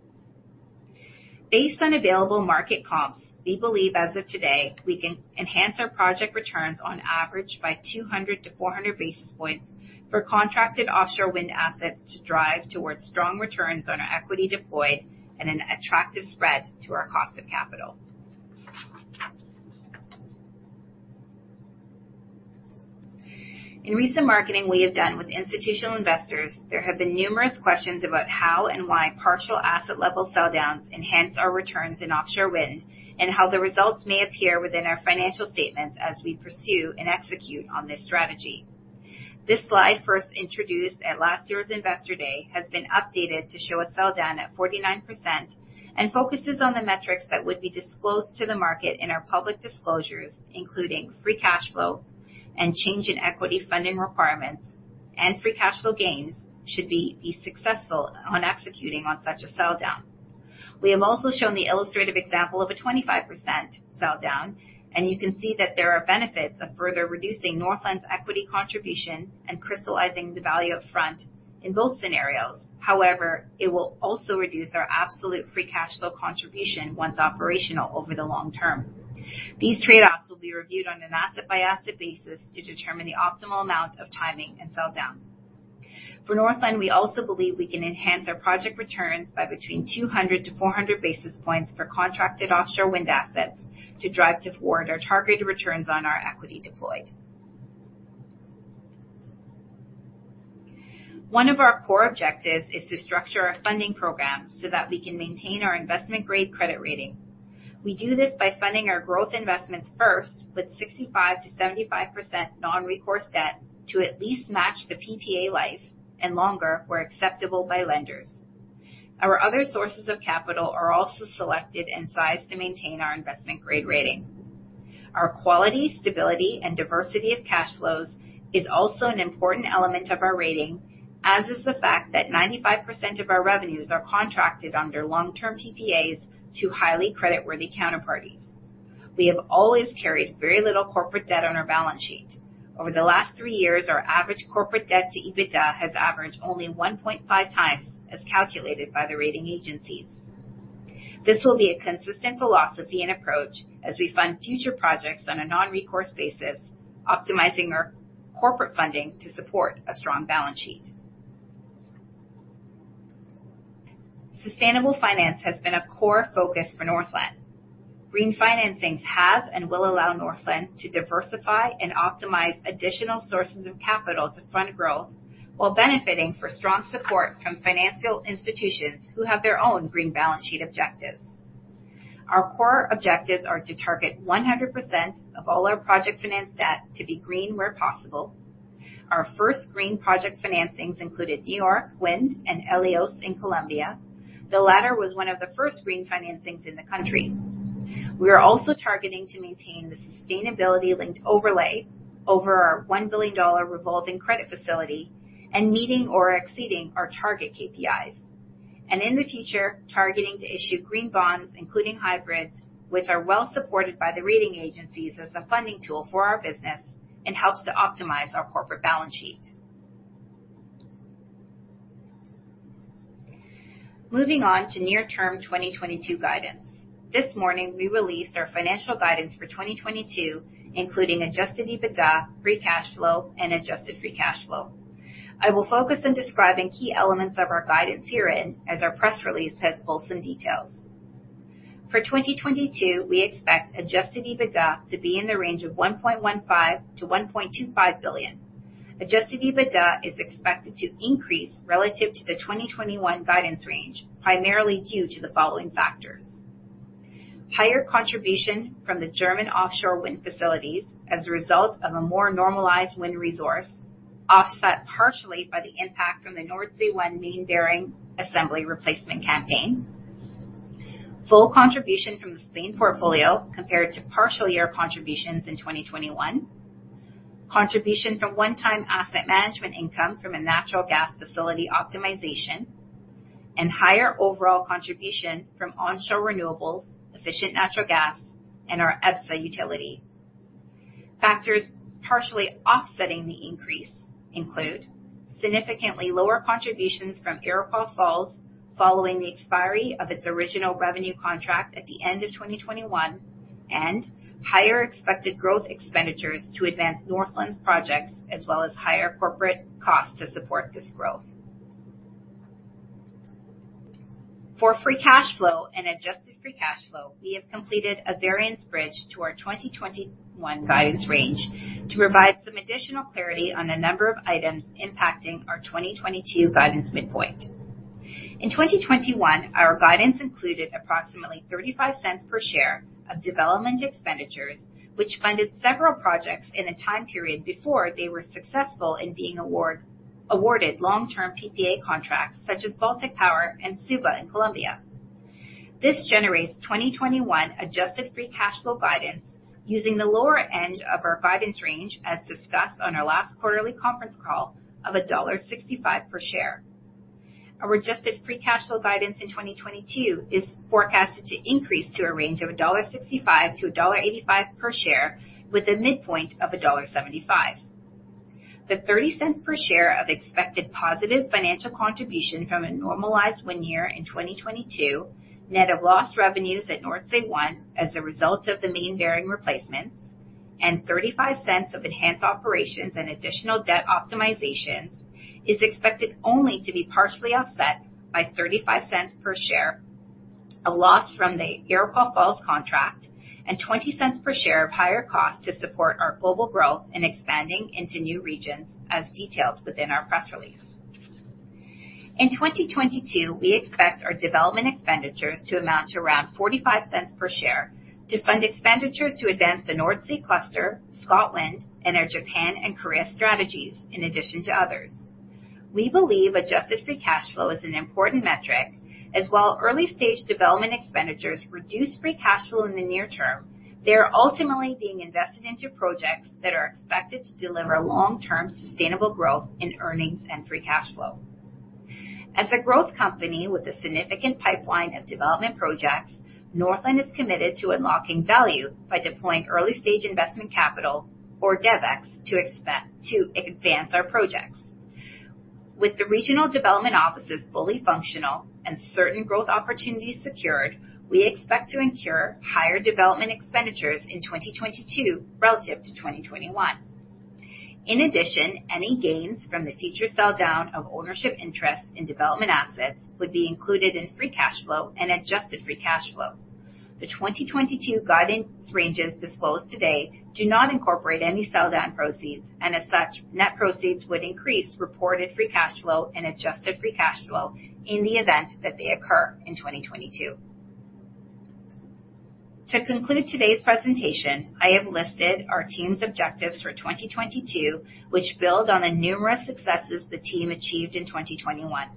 Based on available market comps, we believe as of today, we can enhance our project returns on average by 200-400 basis points for contracted offshore wind assets to drive towards strong returns on our equity deployed and an attractive spread to our cost of capital. In recent marketing we have done with institutional investors, there have been numerous questions about how and why partial asset-level sell downs enhance our returns in offshore wind, and how the results may appear within our financial statements as we pursue and execute on this strategy. This slide, first introduced at last year's Investor Day, has been updated to show a sell down at 49% and focuses on the metrics that would be disclosed to the market in our public disclosures, including free cash flow and change in equity funding requirements, and free cash flow gains should we be successful on executing on such a sell down. We have also shown the illustrative example of a 25% sell down, and you can see that there are benefits of further reducing Northland's equity contribution and crystallizing the value up front in both scenarios. However, it will also reduce our absolute free cash flow contribution once operational over the long term. These trade-offs will be reviewed on an asset-by-asset basis to determine the optimal amount of timing and sell down. For Northland, we also believe we can enhance our project returns by between 200-400 basis points for contracted offshore wind assets to drive toward our targeted returns on our equity deployed. One of our core objectives is to structure our funding program so that we can maintain our investment-grade credit rating. We do this by funding our growth investments first with 65%-75% non-recourse debt to at least match the PPA life, and longer where acceptable by lenders. Our other sources of capital are also selected and sized to maintain our investment-grade rating. Our quality, stability, and diversity of cash flows is also an important element of our rating, as is the fact that 95% of our revenues are contracted under long-term PPAs to highly creditworthy counterparties. We have always carried very little corporate debt on our balance sheet. Over the last three years, our average corporate debt to EBITDA has averaged only 1.5x, as calculated by the rating agencies. This will be a consistent philosophy and approach as we fund future projects on a non-recourse basis, optimizing our corporate funding to support a strong balance sheet. Sustainable finance has been a core focus for Northland. Green financings have and will allow Northland to diversify and optimize additional sources of capital to fund growth while benefiting from strong support from financial institutions who have their own green balance sheet objectives. Our core objectives are to target 100% of all our project finance debt to be green where possible. Our first green project financings included New York Wind and Helios in Colombia. The latter was one of the first green financings in the country. We are also targeting to maintain the sustainability-linked overlay over our 1 billion dollar revolving credit facility and meeting or exceeding our target KPIs. In the future, targeting to issue green bonds, including hybrids, which are well-supported by the rating agencies as a funding tool for our business and helps to optimize our corporate balance sheet. Moving on to near-term 2022 guidance. This morning, we released our financial guidance for 2022, including adjusted EBITDA, free cash flow, and adjusted free cash flow. I will focus on describing key elements of our guidance herein, as our press release has full details. For 2022, we expect adjusted EBITDA to be in the range of 1.15 billion-1.25 billion. Adjusted EBITDA is expected to increase relative to the 2021 guidance range, primarily due to the following factors. Higher contribution from the German offshore wind facilities as a result of a more normalized wind resource, offset partially by the impact from the Nordsee One main bearing assembly replacement campaign. Full contribution from the Spain portfolio compared to partial year contributions in 2021. Contribution from one-time asset management income from a natural gas facility optimization, and higher overall contribution from onshore renewables, efficient natural gas, and our EBSA utility. Factors partially offsetting the increase include significantly lower contributions from Iroquois Falls following the expiry of its original revenue contract at the end of 2021, and higher expected growth expenditures to advance Northland's projects, as well as higher corporate costs to support this growth. For free cash flow and adjusted free cash flow, we have completed a variance bridge to our 2021 guidance range to provide some additional clarity on the number of items impacting our 2022 guidance midpoint. In 2021, our guidance included approximately 0.35 per share of development expenditures, which funded several projects in a time period before they were successful in being awarded long-term PPA contracts such as Baltic Power and Suba in Colombia. This generates 2021 adjusted free cash flow guidance using the lower end of our guidance range, as discussed on our last quarterly conference call of dollar 1.65 per share. Our adjusted free cash flow guidance in 2022 is forecasted to increase to a range of 1.65-1.85 dollar per share, with a midpoint of dollar 1.75. The 0.30 per share of expected positive financial contribution from a normalized wind year in 2022, net of lost revenues at Nordsee One as a result of the main bearing replacements, and 0.35 of enhanced operations and additional debt optimizations, is expected only to be partially offset by 0.35 per share a loss from the Iroquois Falls contract and 0.20 per share of higher cost to support our global growth in expanding into new regions as detailed within our press release. In 2022, we expect our development expenditures to amount to around 0.45 per share to fund expenditures to advance the North Sea Cluster, Scotland, and our Japan and Korea strategies, in addition to others. We believe adjusted free cash flow is an important metric, as while early-stage development expenditures reduce free cash flow in the near term, they are ultimately being invested into projects that are expected to deliver long-term sustainable growth in earnings and free cash flow. As a growth company with a significant pipeline of development projects, Northland is committed to unlocking value by deploying early-stage investment capital or DevEx to advance our projects. With the regional development offices fully functional and certain growth opportunities secured, we expect to incur higher development expenditures in 2022 relative to 2021. In addition, any gains from the future sell down of ownership interest in development assets would be included in free cash flow and adjusted free cash flow. The 2022 guidance ranges disclosed today do not incorporate any sell down proceeds, and as such, net proceeds would increase reported free cash flow and adjusted free cash flow in the event that they occur in 2022. To conclude today's presentation, I have listed our team's objectives for 2022, which build on the numerous successes the team achieved in 2021.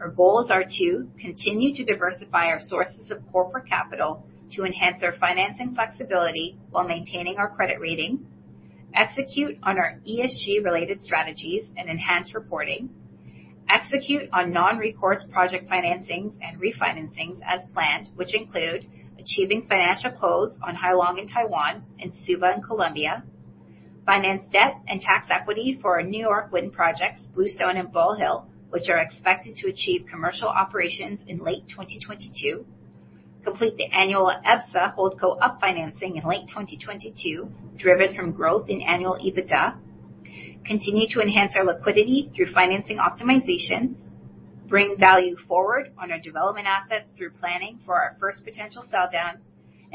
Our goals are to continue to diversify our sources of corporate capital to enhance our financing flexibility while maintaining our credit rating, execute on our ESG-related strategies and enhance reporting, execute on non-recourse project financings and refinancings as planned, which include achieving financial close on Hai Long in Taiwan and Suba in Colombia, finance debt and tax equity for our New York wind projects, Bluestone and Ball Hill, which are expected to achieve commercial operations in late 2022. Complete the annual EPSA holdco up financing in late 2022, driven from growth in annual EBITDA. Continue to enhance our liquidity through financing optimizations, bring value forward on our development assets through planning for our first potential sell down.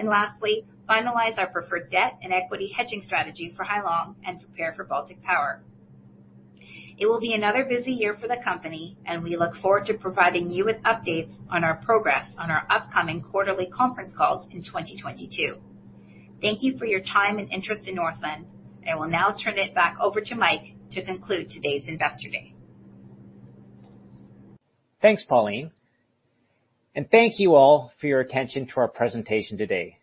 Lastly, finalize our preferred debt and equity hedging strategy for Hai Long and prepare for Baltic Power. It will be another busy year for the company, and we look forward to providing you with updates on our progress on our upcoming quarterly conference calls in 2022. Thank you for your time and interest in Northland. I will now turn it back over to Mike to conclude today's Investor Day. Thanks, Pauline. Thank you all for your attention to our presentation today.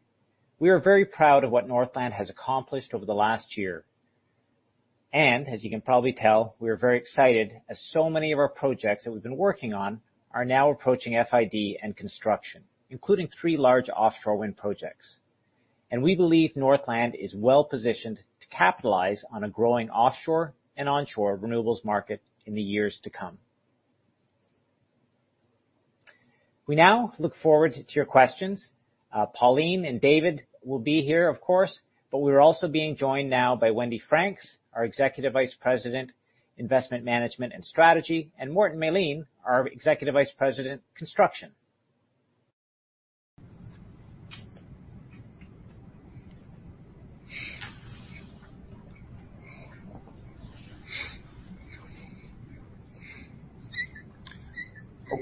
We are very proud of what Northland has accomplished over the last year. As you can probably tell, we are very excited as so many of our projects that we've been working on are now approaching FID and construction, including three large offshore wind projects. We believe Northland is well-positioned to capitalize on a growing offshore and onshore renewables market in the years to come. We now look forward to your questions. Pauline and David will be here, of course, but we're also being joined now by Wendy Franks, our Executive Vice President, Investment Management and Strategy, and Morten Melin, our Executive Vice President, Construction.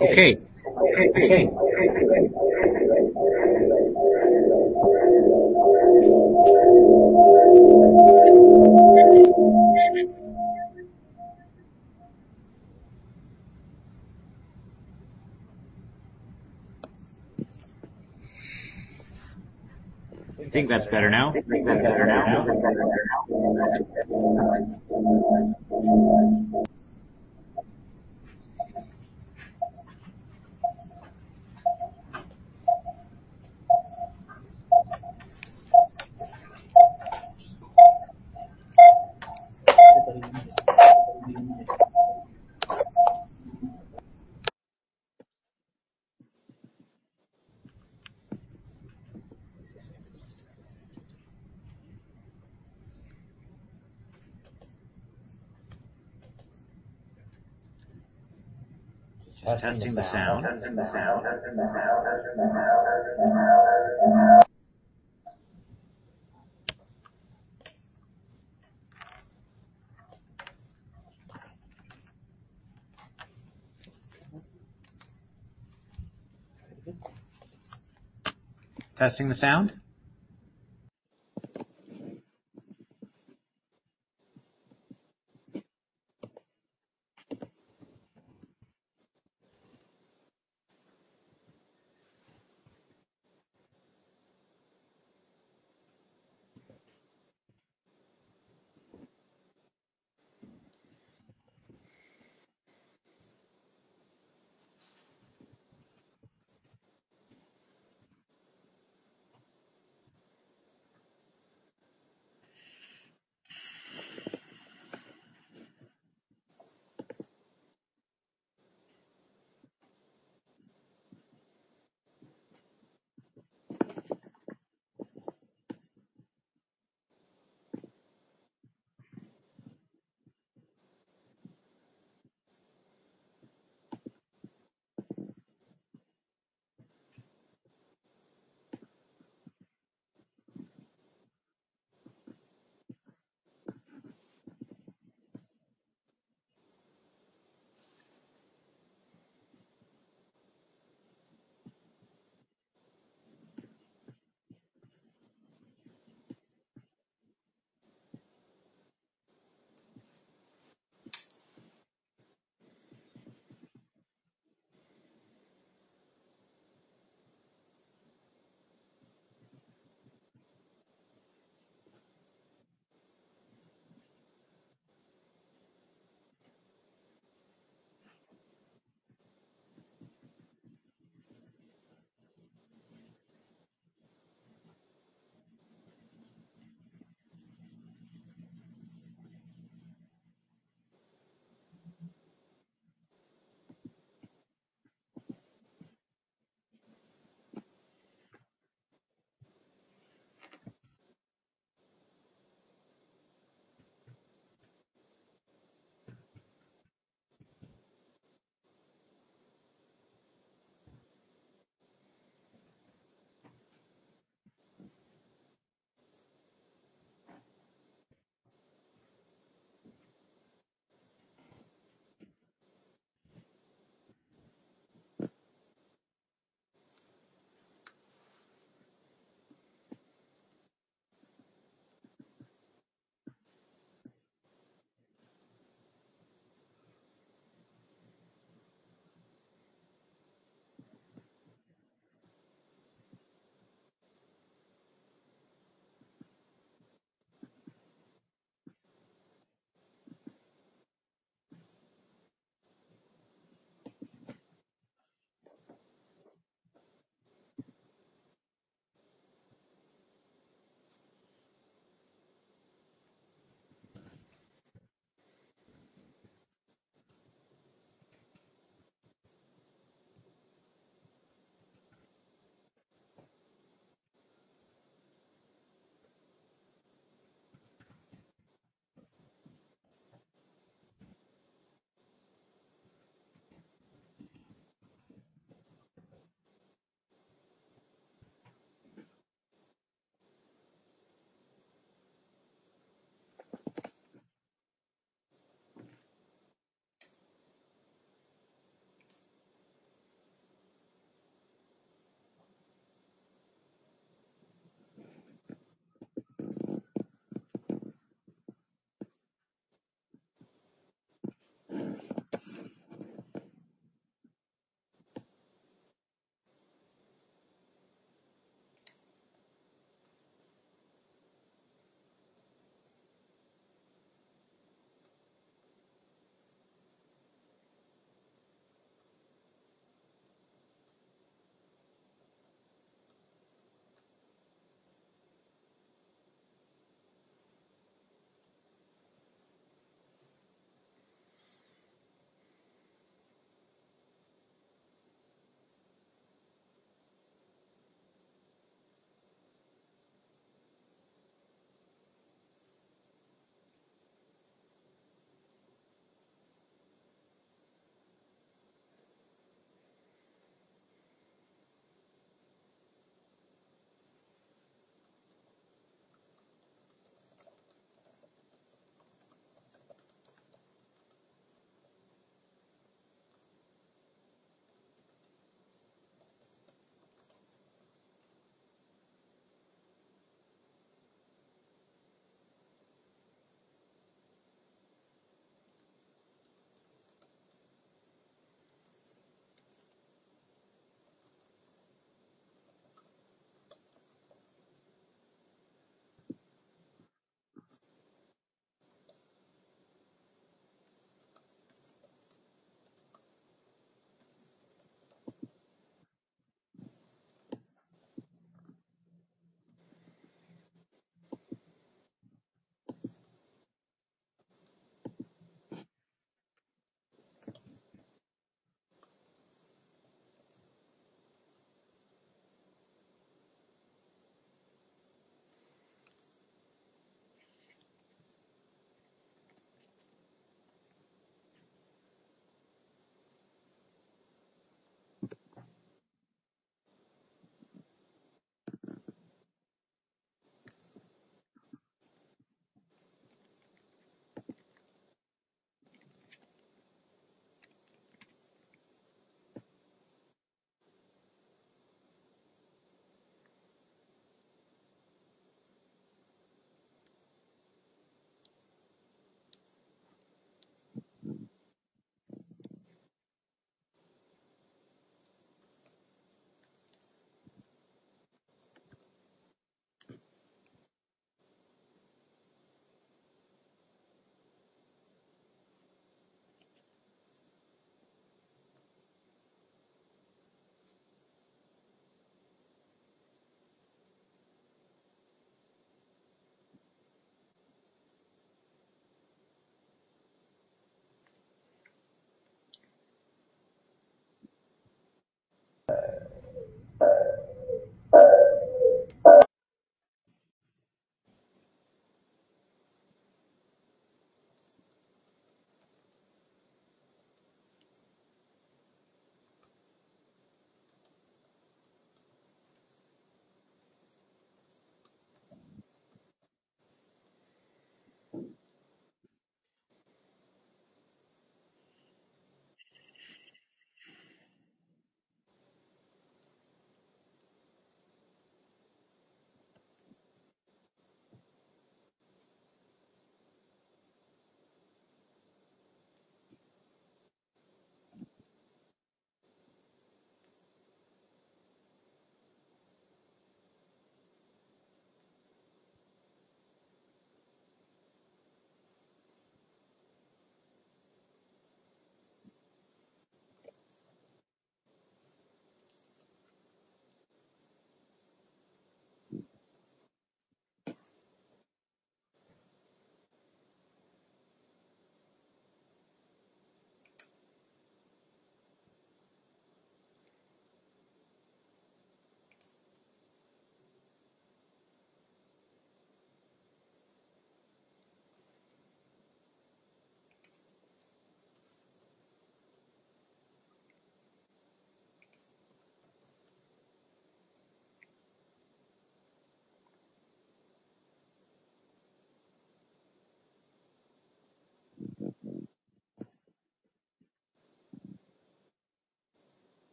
Okay. I think that's better now. Testing the sound.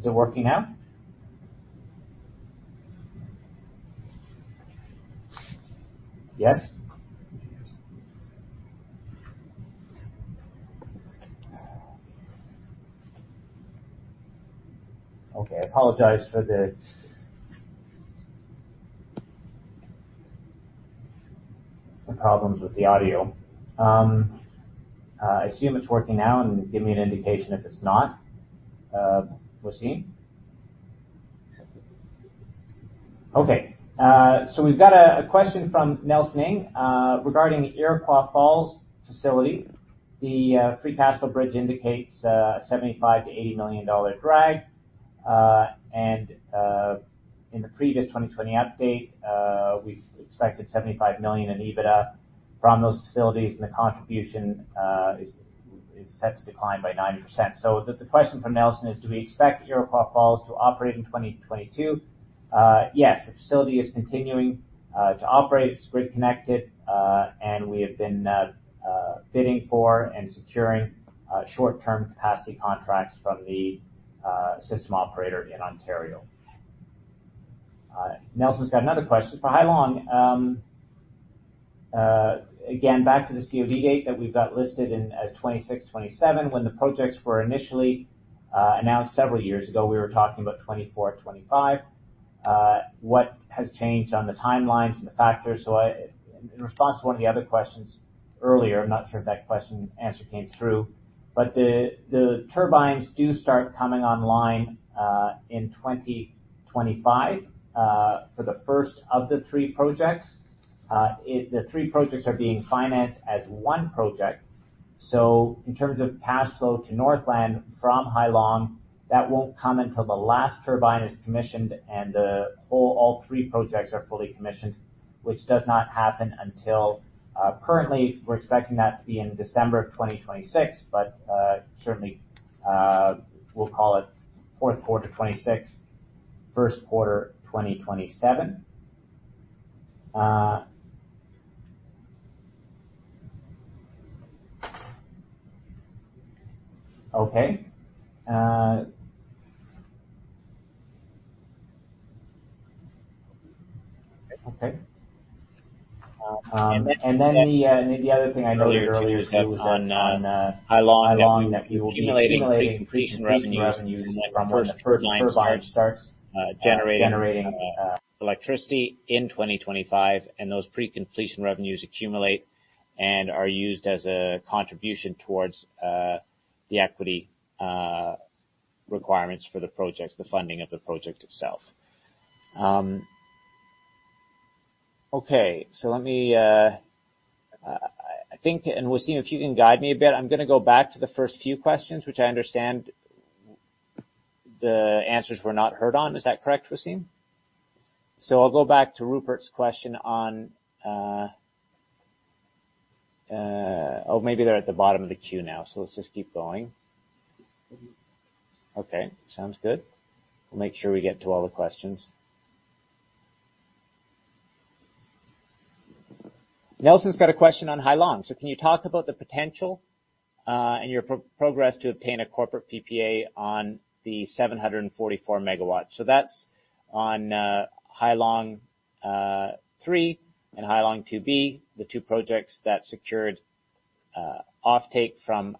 Is it working now? Yes? Yes. I apologize for the problems with the audio. I assume it's working now, and give me an indication if it's not, Wassem. Okay. We've got a question from Nelson Ng regarding the Iroquois Falls facility. The free cash flow bridge indicates a 75 million-80 million dollar drag. In the previous 2020 update, we expected 75 million in EBITDA from those facilities, and the contribution is set to decline by 90%. The question from Nelson is, do we expect Iroquois Falls to operate in 2022? Yes. The facility is continuing to operate. Its grid connected, and we have been bidding for and securing short-term capacity contracts from the system operator in Ontario. Nelson's got another question. For Hai Long, again, back to the COD date that we've got listed in as 2026, 2027, when the projects were initially announced several years ago, we were talking about 2024, 2025. What has changed on the timelines and the factors? In response to one of the other questions earlier, I'm not sure if that question answer came through, but the turbines do start coming online in 2025 for the first of the three projects. The three projects are being financed as one project. In terms of cash flow to Northland from Hai Long, that won't come until the last turbine is commissioned and all three projects are fully commissioned, which does not happen until currently we're expecting that to be in December of 2026. Certainly, we'll call it fourth quarter 2026, first quarter 2027. The other thing I noted earlier too was on Hai Long, that we will be accumulating pre-completion revenues from when the first turbine starts generating electricity in 2025, and those pre-completion revenues accumulate and are used as a contribution towards the equity requirements for the projects, the funding of the project itself. Let me. I think Wassem, if you can guide me a bit. I'm gonna go back to the first few questions, which I understand the answers were not heard on. Is that correct, Wassem? I'll go back to Rupert's question on. Oh, maybe they're at the bottom of the queue now, let's just keep going. Okay, sounds good. We'll make sure we get to all the questions. Nelson's got a question on Hai Long. Can you talk about the potential and your progress to obtain a corporate PPA on the 744 MW? That's on Hai Long 3 and Hai Long 2B, the two projects that secured offtake from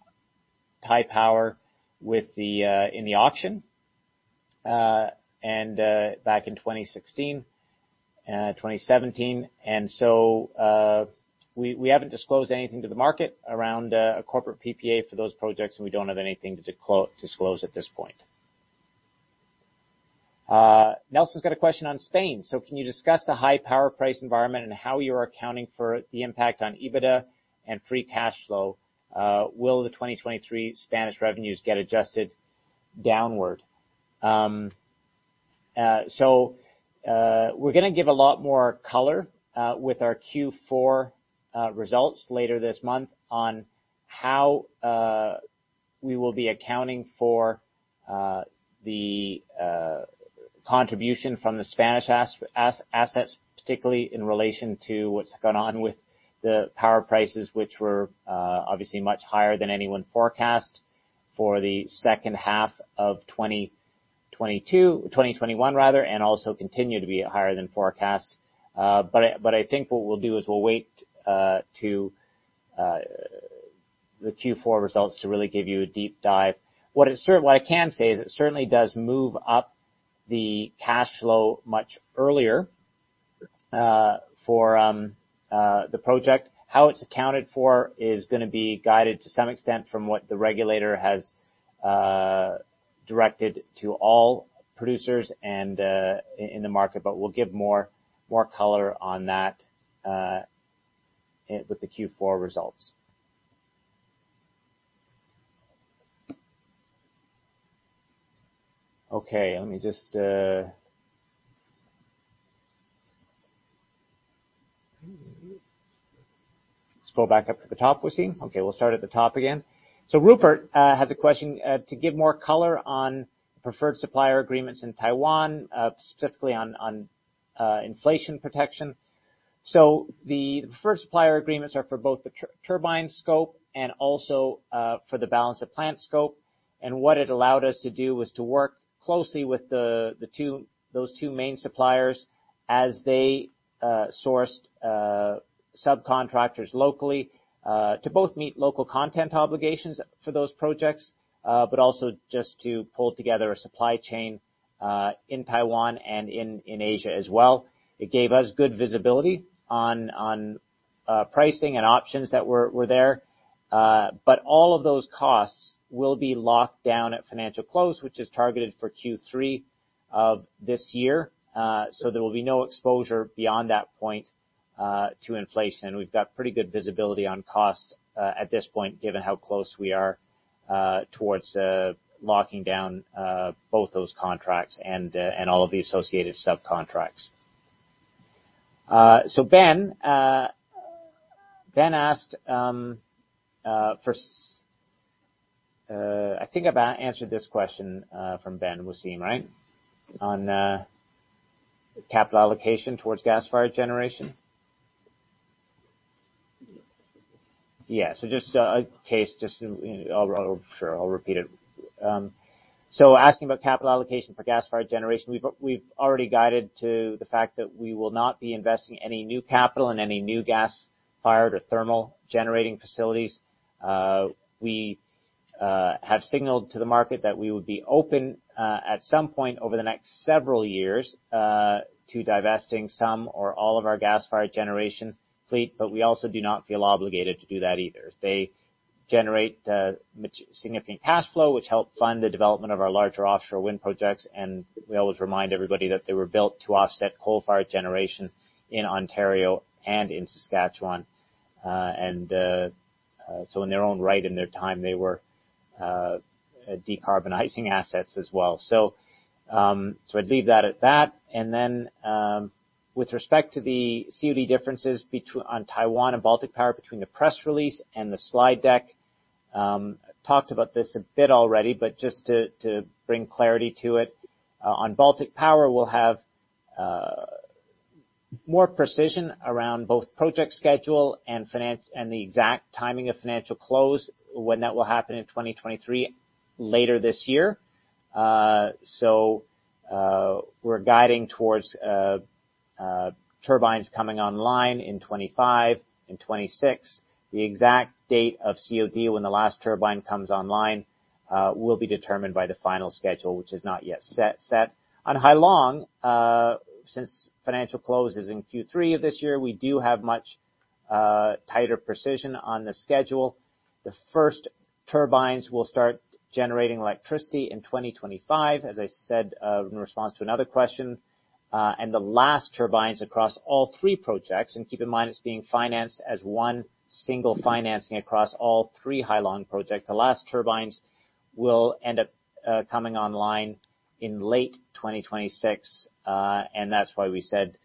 Taipower in the auction back in 2016, 2017. We haven't disclosed anything to the market around a corporate PPA for those projects, and we don't have anything to disclose at this point. Nelson's got a question on Spain. Can you discuss the high-power price environment and how you are accounting for the impact on EBITDA and free cash flow? Will the 2023 Spanish revenues get adjusted downward? We're gonna give a lot more color with our Q4 results later this month on how we will be accounting for the contribution from the Spanish assets, particularly in relation to what's gone on with the power prices, which were obviously much higher than anyone forecast for the second half of 2022, 2021 rather, and also continue to be higher than forecast. I think what we'll do is we'll wait to the Q4 results to really give you a deep dive. What I can say is it certainly does move up the cash flow much earlier for the project. How it's accounted for is gonna be guided to some extent from what the regulator has directed to all producers and in the market, but we'll give more color on that with the Q4 results. Okay, let me just scroll back up to the top, Wassem. Okay, we'll start at the top again. Rupert has a question to give more color on preferred supplier agreements in Taiwan specifically on inflation protection. The preferred supplier agreements are for both the turbine scope and also for the balance of plant scope. What it allowed us to do was to work closely with those two main suppliers as they sourced subcontractors locally to both meet local content obligations for those projects but also just to pull together a supply chain in Taiwan and in Asia as well. It gave us good visibility on pricing and options that were there. All of those costs will be locked down at financial close, which is targeted for Q3 of this year. There will be no exposure beyond that point to inflation. We've got pretty good visibility on cost at this point, given how close we are towards locking down both those contracts and all of the associated subcontracts. Ben asked, I think I've answered this question from Ben, Wassem, right? On capital allocation towards gas-fired generation. Yeah, just a case just to. Sure, I'll repeat it. Asking about capital allocation for gas-fired generation. We've already guided to the fact that we will not be investing any new capital in any new gas-fired or thermal generating facilities. We have signaled to the market that we would be open at some point over the next several years to divesting some or all of our gas-fired generation fleet, but we also do not feel obligated to do that either. They generate significant cash flow, which help fund the development of our larger offshore wind projects. We always remind everybody that they were built to offset coal-fired generation in Ontario and in Saskatchewan. In their own right, in their time, they were decarbonizing assets as well. I'd leave that at that. With respect to the COD differences on Taiwan and Baltic Power between the press release and the slide deck, talked about this a bit already, but just to bring clarity to it. On Baltic Power, we'll have more precision around both project schedule and the exact timing of financial close when that will happen in 2023, later this year. We're guiding towards turbines coming online in 2025 and 2026. The exact date of COD when the last turbine comes online will be determined by the final schedule, which is not yet set. On Hai Long, since financial close is in Q3 of this year, we do have much tighter precision on the schedule. The first turbines will start generating electricity in 2025, as I said in response to another question, and the last turbines across all three projects, and keep in mind it's being financed as one single financing across all three Hai Long projects. The last turbines will end up coming online in late 2026, and that's why we said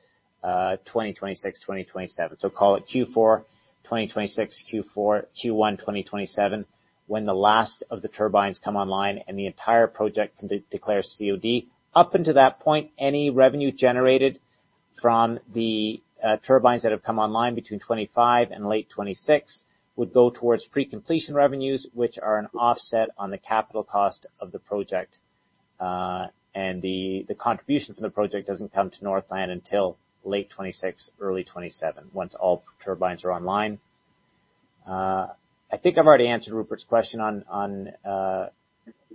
2026-2027. Call it Q4 2026, Q1 2027 when the last of the turbines come online and the entire project can declare COD. Up until that point, any revenue generated from the turbines that have come online between 2025 and late 2026 would go towards pre-completion revenues, which are an offset on the capital cost of the project. The contribution from the project doesn't come to Northland until late 2026, early 2027, once all turbines are online. I think I've already answered Rupert's question on.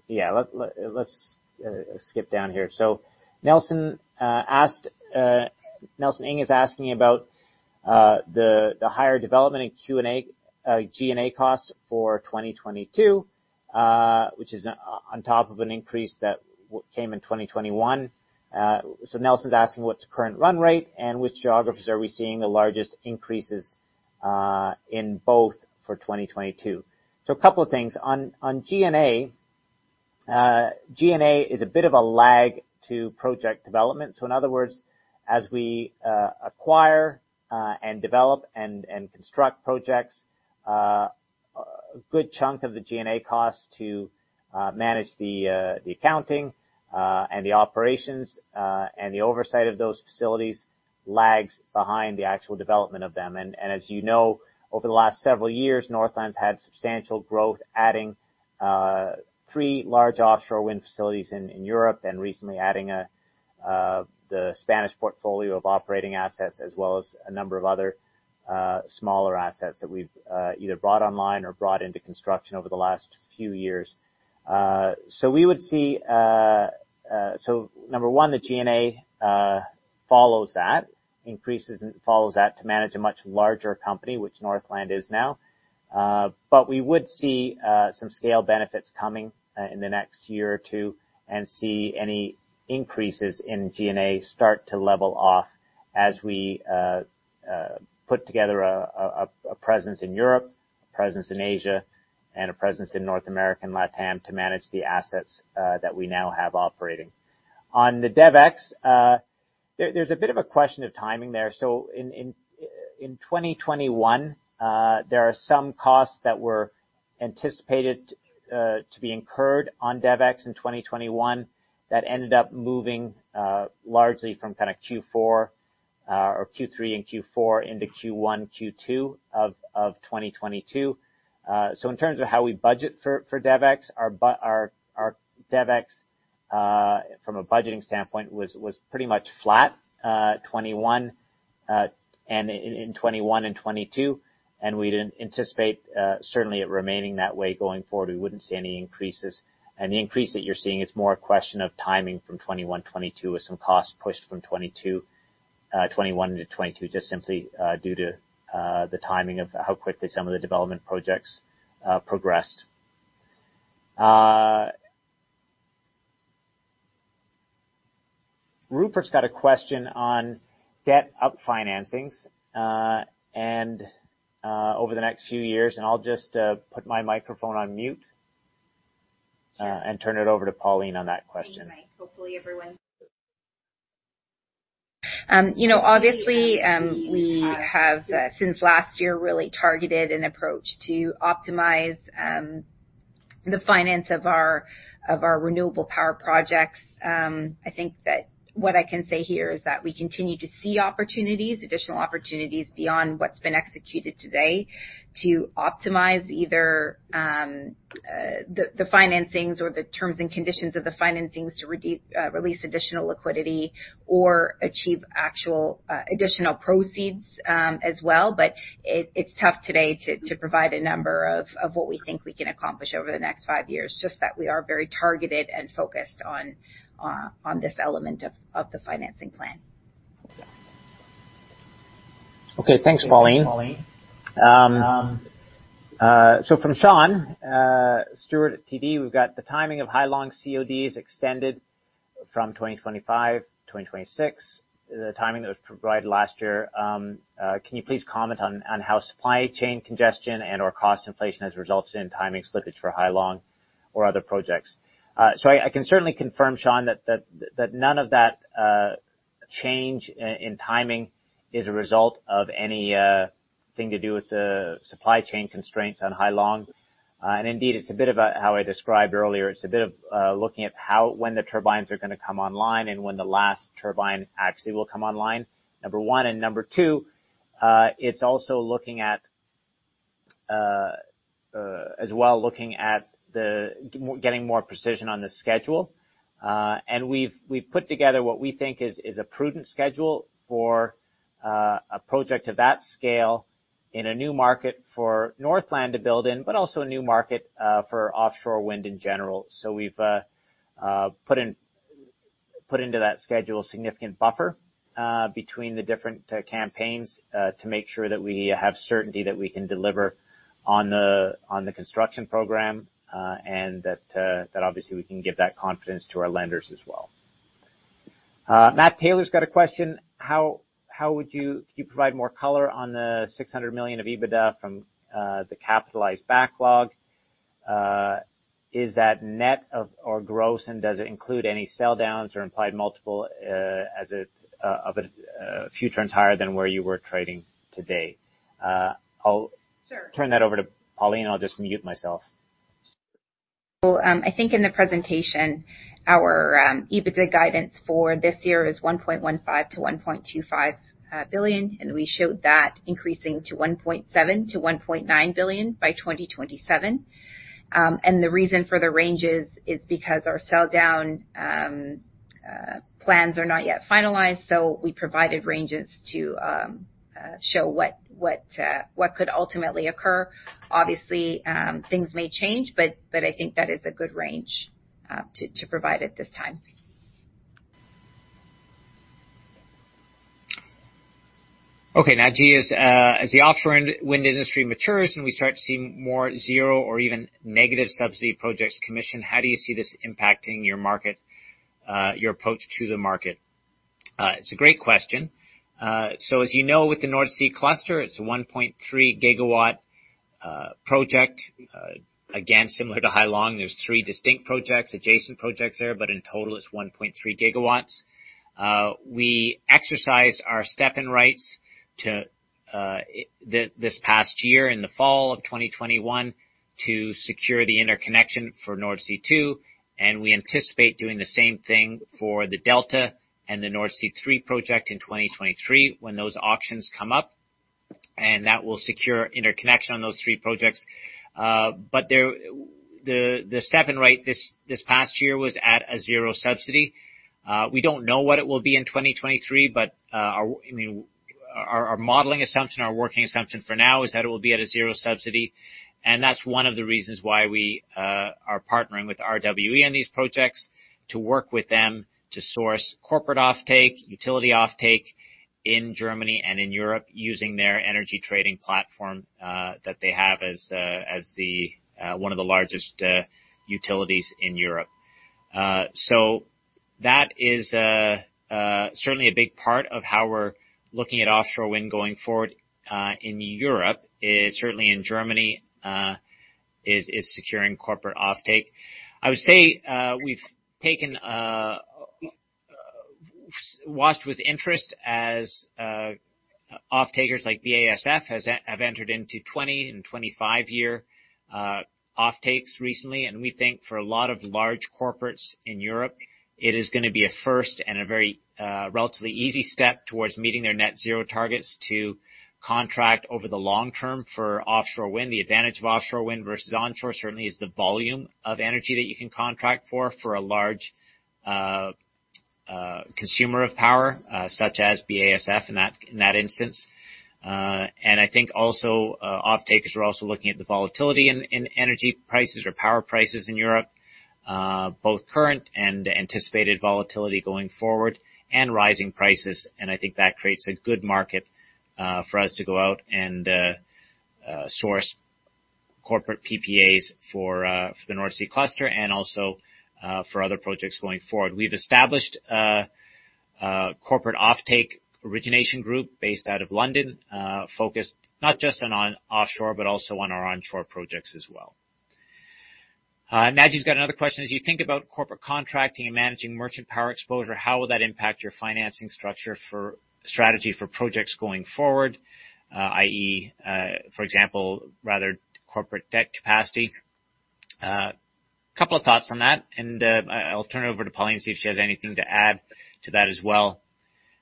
Yeah, let's skip down here. Nelson asked, Nelson Ng is asking about the higher DevEx and G&A costs for 2022, which is on top of an increase that came in 2021. Nelson is asking what's the current run rate and which geographies are we seeing the largest increases in both for 2022. A couple of things. G&A is a bit of a lag to project development. In other words, as we acquire and develop and construct projects, a good chunk of the G&A cost to manage the accounting and the operations and the oversight of those facilities lags behind the actual development of them. As you know, over the last several years, Northland's had substantial growth, adding three large offshore wind facilities in Europe and recently adding the Spanish portfolio of operating assets, as well as a number of other smaller assets that we've either brought online or brought into construction over the last few years. We would see number one, the G&A follows that, increases and follows that to manage a much larger company, which Northland is now. We would see some scale benefits coming in the next year or two, and see any increases in G&A start to level off as we put together a presence in Europe, a presence in Asia, and a presence in North America and LatAm to manage the assets that we now have operating. On the DevEx, there's a bit of a question of timing there. In 2021, there are some costs that were anticipated to be incurred on DevEx in 2021 that ended up moving largely from kind of Q4 or Q3 and Q4 into Q1, Q2 of 2022. In terms of how we budget for DevEx, our DevEx from a budgeting standpoint was pretty much flat in 2021 and 2022, and we'd anticipate certainly it remaining that way going forward. We wouldn't see any increases. The increase that you're seeing, it's more a question of timing from 2021-2022, with some costs pushed from 2021 into 2022, just simply due to the timing of how quickly some of the development projects progressed. Rupert's got a question on debt financing over the next few years, and I'll just put my microphone on mute and turn it over to Pauline on that question. Hopefully everyone, you know, obviously, we have since last year really targeted an approach to optimize the finance of our renewable power projects. I think that what I can say here is that we continue to see opportunities, additional opportunities beyond what's been executed today to optimize either the financings or the terms and conditions of the financings to release additional liquidity or achieve actual additional proceeds as well. It's tough today to provide a number of what we think we can accomplish over the next five years, just that we are very targeted and focused on this element of the financing plan. Okay. Thanks, Pauline. From Sean Steuart at TD, we've got the timing of Hai Long CODs extended from 2025 to 2026, the timing that was provided last year. Can you please comment on how supply chain congestion and/or cost inflation has resulted in timing slippage for Hai Long or other projects? I can certainly confirm, Sean, that none of that change in timing is a result of anything to do with the supply chain constraints on Hai Long. Indeed, it's a bit about how I described earlier. It's a bit of looking at how when the turbines are gonna come online and when the last turbine actually will come online, number one. Number two, it's also looking at as well looking at getting more precision on the schedule. We've put together what we think is a prudent schedule for a project of that scale in a new market for Northland to build in, but also a new market for offshore wind in general. We've put into that schedule a significant buffer between the different campaigns to make sure that we have certainty that we can deliver on the construction program, and that obviously we can give that confidence to our lenders as well. Matt Taylor's got a question. Could you provide more color on the 600 million of EBITDA from the capitalized backlog? Is that net of or gross, and does it include any sell downs or implied multiple as a few turns higher than where you were trading today? I'll. Sure. Turn that over to Pauline. I'll just mute myself. I think in the presentation, our EBITDA guidance for this year is 1.15 billion-1.25 billion, and we showed that increasing to 1.7 billion-1.9 billion by 2027. The reason for the ranges is because our sell down plans are not yet finalized, so we provided ranges to show what could ultimately occur. Obviously, things may change, but I think that is a good range to provide at this time. Okay. Naji, as the offshore wind industry matures and we start to see more zero or even negative subsidy projects commission, how do you see this impacting your market, your approach to the market? It's a great question. As you know, with the North Sea Cluster, it's a 1.3 GW project. Again, similar to Hai Long, there are three distinct projects, adjacent projects there, but in total, it's 1.3 GW. We exercised our step-in rights this past year, in the fall of 2021, to secure the interconnection for Nordsee Two, and we anticipate doing the same thing for the Delta and the Nordsee Three project in 2023 when those auctions come up. That will secure interconnection on those three projects. The Stevin, right, this past year was at a zero subsidy. We don't know what it will be in 2023, but, our, I mean, our modeling assumption, our working assumption for now is that it will be at a zero subsidy. That's one of the reasons why we are partnering with RWE on these projects to work with them to source corporate offtake, utility offtake in Germany and in Europe using their energy trading platform that they have as one of the largest utilities in Europe. That is certainly a big part of how we're looking at offshore wind going forward in Europe, certainly in Germany, is securing corporate offtake. I would say, we've watched with interest as offtakers like BASF have entered into 20- and 25-year offtakes recently. We think for a lot of large corporates in Europe, it is gonna be a first and a very relatively easy step towards meeting their net zero targets to contract over the long term for offshore wind. The advantage of offshore wind versus onshore certainly is the volume of energy that you can contract for a large consumer of power such as BASF in that instance. I think also, offtakers are also looking at the volatility in energy prices or power prices in Europe, both current and anticipated volatility going forward and rising prices. I think that creates a good market for us to go out and source corporate PPAs for the North Sea Cluster and also for other projects going forward. We've established a corporate offtake origination group based out of London, focused not just on offshore, but also on our onshore projects as well. Naji got another question: As you think about corporate contracting and managing merchant power exposure, how will that impact your financing structure for strategy for projects going forward, i.e., for example, rather corporate debt capacity? Couple of thoughts on that, and I'll turn it over to Pauline, see if she has anything to add to that as well.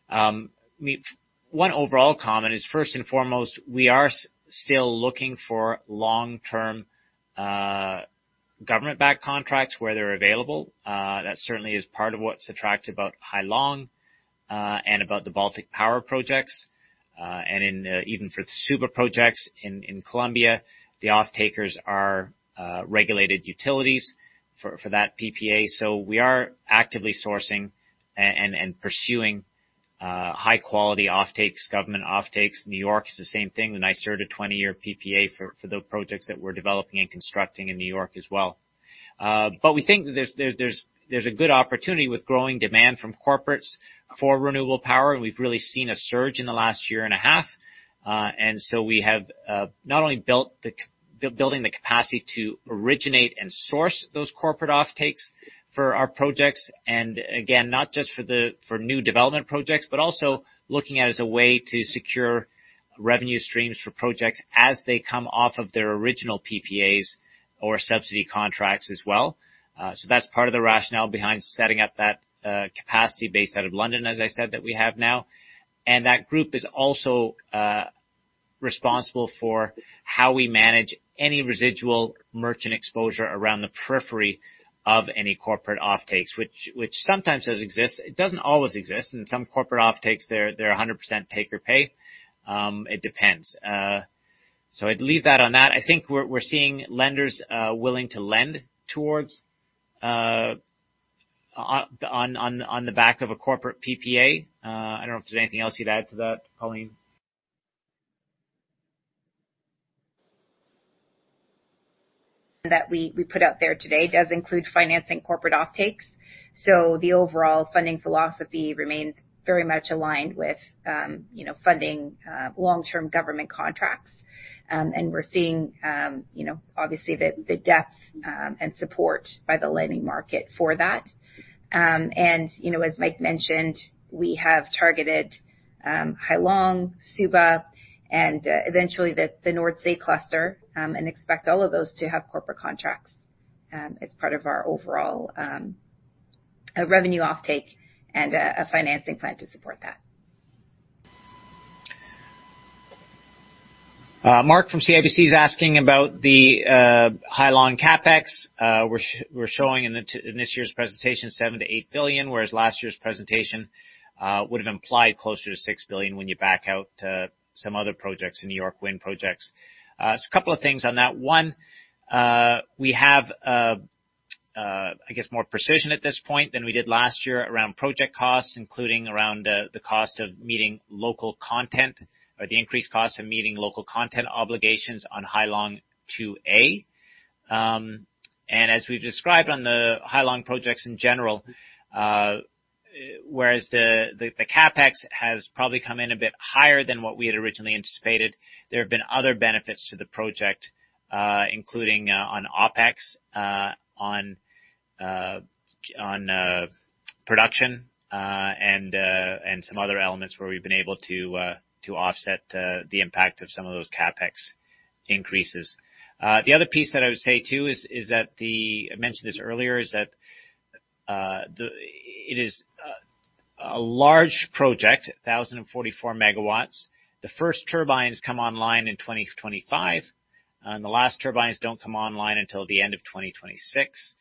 One overall comment is, first and foremost, we are still looking for long-term, government-backed contracts where they're available. That certainly is part of what's attractive about Hai Long, and about the Baltic Power projects. Even for the Suba Projects in Colombia, the offtakers are regulated utilities for that PPA. We are actively sourcing and pursuing high quality offtakes, government offtakes. New York is the same thing. The NYSERDA 20-year PPA for the projects that we're developing and constructing in New York as well. We think there's a good opportunity with growing demand from corporates for renewable power, and we've really seen a surge in the last year and a half. We have not only built building the capacity to originate and source those corporate offtakes for our projects, and again, not just for new development projects, but also looking at as a way to secure revenue streams for projects as they come off of their original PPAs or subsidy contracts as well. That's part of the rationale behind setting up that capacity based out of London, as I said, that we have now. That group is also responsible for how we manage any residual merchant exposure around the periphery of any corporate offtakes, which sometimes does exist. It doesn't always exist. In some corporate offtakes, they're 100% take or pay. It depends. I'd leave that on that. I think we're seeing lenders willing to lend on the back of a corporate PPA. I don't know if there's anything else you'd add to that, Pauline. That we put out there today does include financing corporate offtakes. The overall funding philosophy remains very much aligned with, you know, funding long-term government contracts. We're seeing, you know, obviously the depth and support by the lending market for that. You know, as Mike mentioned, we have targeted Hai Long, Suba, and eventually the North Sea Cluster, and expect all of those to have corporate contracts as part of our overall revenue offtake and a financing plan to support that. Mark from CIBC is asking about the Hai Long CapEx. We're showing in this year's presentation 7 billion-8 billion, whereas last year's presentation would've implied closer to 6 billion when you back out some other projects in New York Wind projects. A couple of things on that. One, we have more precision at this point than we did last year around project costs, including around the cost of meeting local content or the increased cost of meeting local content obligations on Hai Long 2A. As we've described on the Hai Long projects in general, whereas the CapEx has probably come in a bit higher than what we had originally anticipated, there have been other benefits to the project, including on OpEx, on production, and some other elements where we've been able to offset the impact of some of those CapEx increases. The other piece that I would say too is that I mentioned this earlier, that it is a large project, 1,044 MW. The first turbines come online in 2025, and the last turbines don't come online until the end of 2026.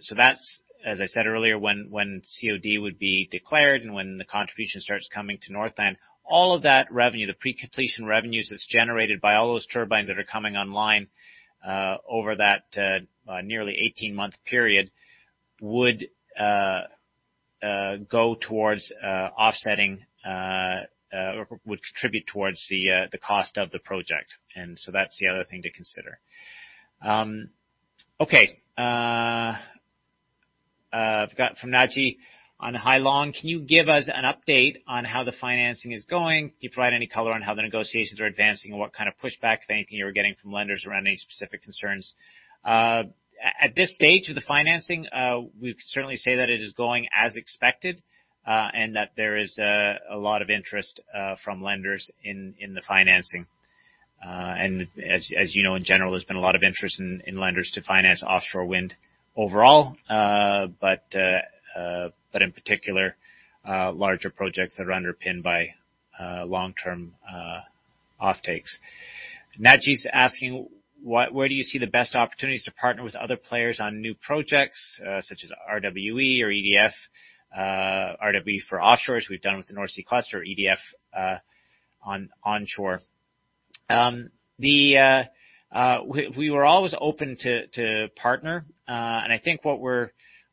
So that's, as I said earlier, when COD would be declared and when the contribution starts coming to Northland. All of that revenue, the pre-completion revenues that's generated by all those turbines that are coming online, over that nearly 18-month period would go towards offsetting or would contribute towards the cost of the project. That's the other thing to consider. Okay. I've got from Naji on Hai Long, can you give us an update on how the financing is going? Can you provide any color on how the negotiations are advancing and what kind of pushback, if anything, you're getting from lenders around any specific concerns? At this stage of the financing, we can certainly say that it is going as expected, and that there is a lot of interest from lenders in the financing. As you know, in general, there's been a lot of interest in lenders to finance offshore wind overall, but in particular, larger projects that are underpinned by long-term offtakes. Naji's asking, where do you see the best opportunities to partner with other players on new projects, such as RWE or EDF, RWE for offshores we've done with the North Sea Cluster, EDF on onshore. We were always open to partner, and I think what we're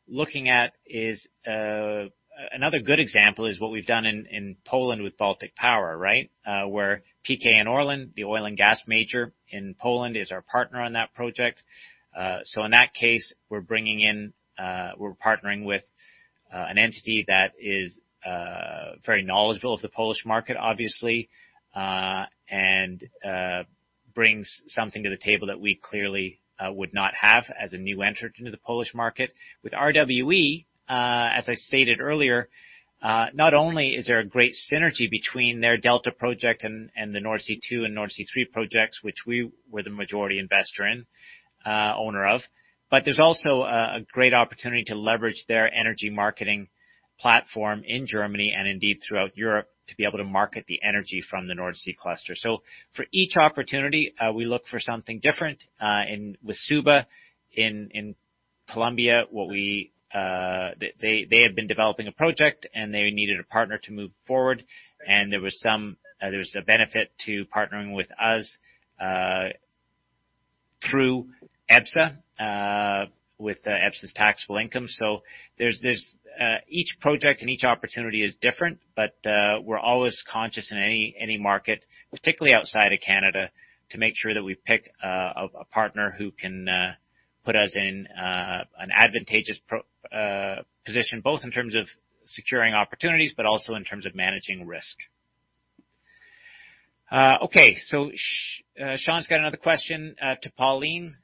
looking at is another good example is what we've done in Poland with Baltic Power, right? Where PKN ORLEN, the oil and gas major in Poland, is our partner on that project. In that case, we're partnering with an entity that is very knowledgeable of the Polish market, obviously, and brings something to the table that we clearly would not have as a new entrant into the Polish market. With RWE, as I stated earlier, not only is there a great synergy between their Delta Project and the Nordsee Two and Nordsee Three projects, which we were the majority investor in, owner of, but there's also a great opportunity to leverage their energy marketing platform in Germany and indeed throughout Europe, to be able to market the energy from the North Sea Cluster. For each opportunity, we look for something different, and with Suba in Colombia, what we, they had been developing a project, and they needed a partner to move forward. There was a benefit to partnering with us through EBSA with EBSA's taxable income. Each project and each opportunity is different, but we're always conscious in any market, particularly outside of Canada, to make sure that we pick a partner who can put us in an advantageous position, both in terms of securing opportunities, but also in terms of managing risk. Okay. Sean's got another question to Pauline.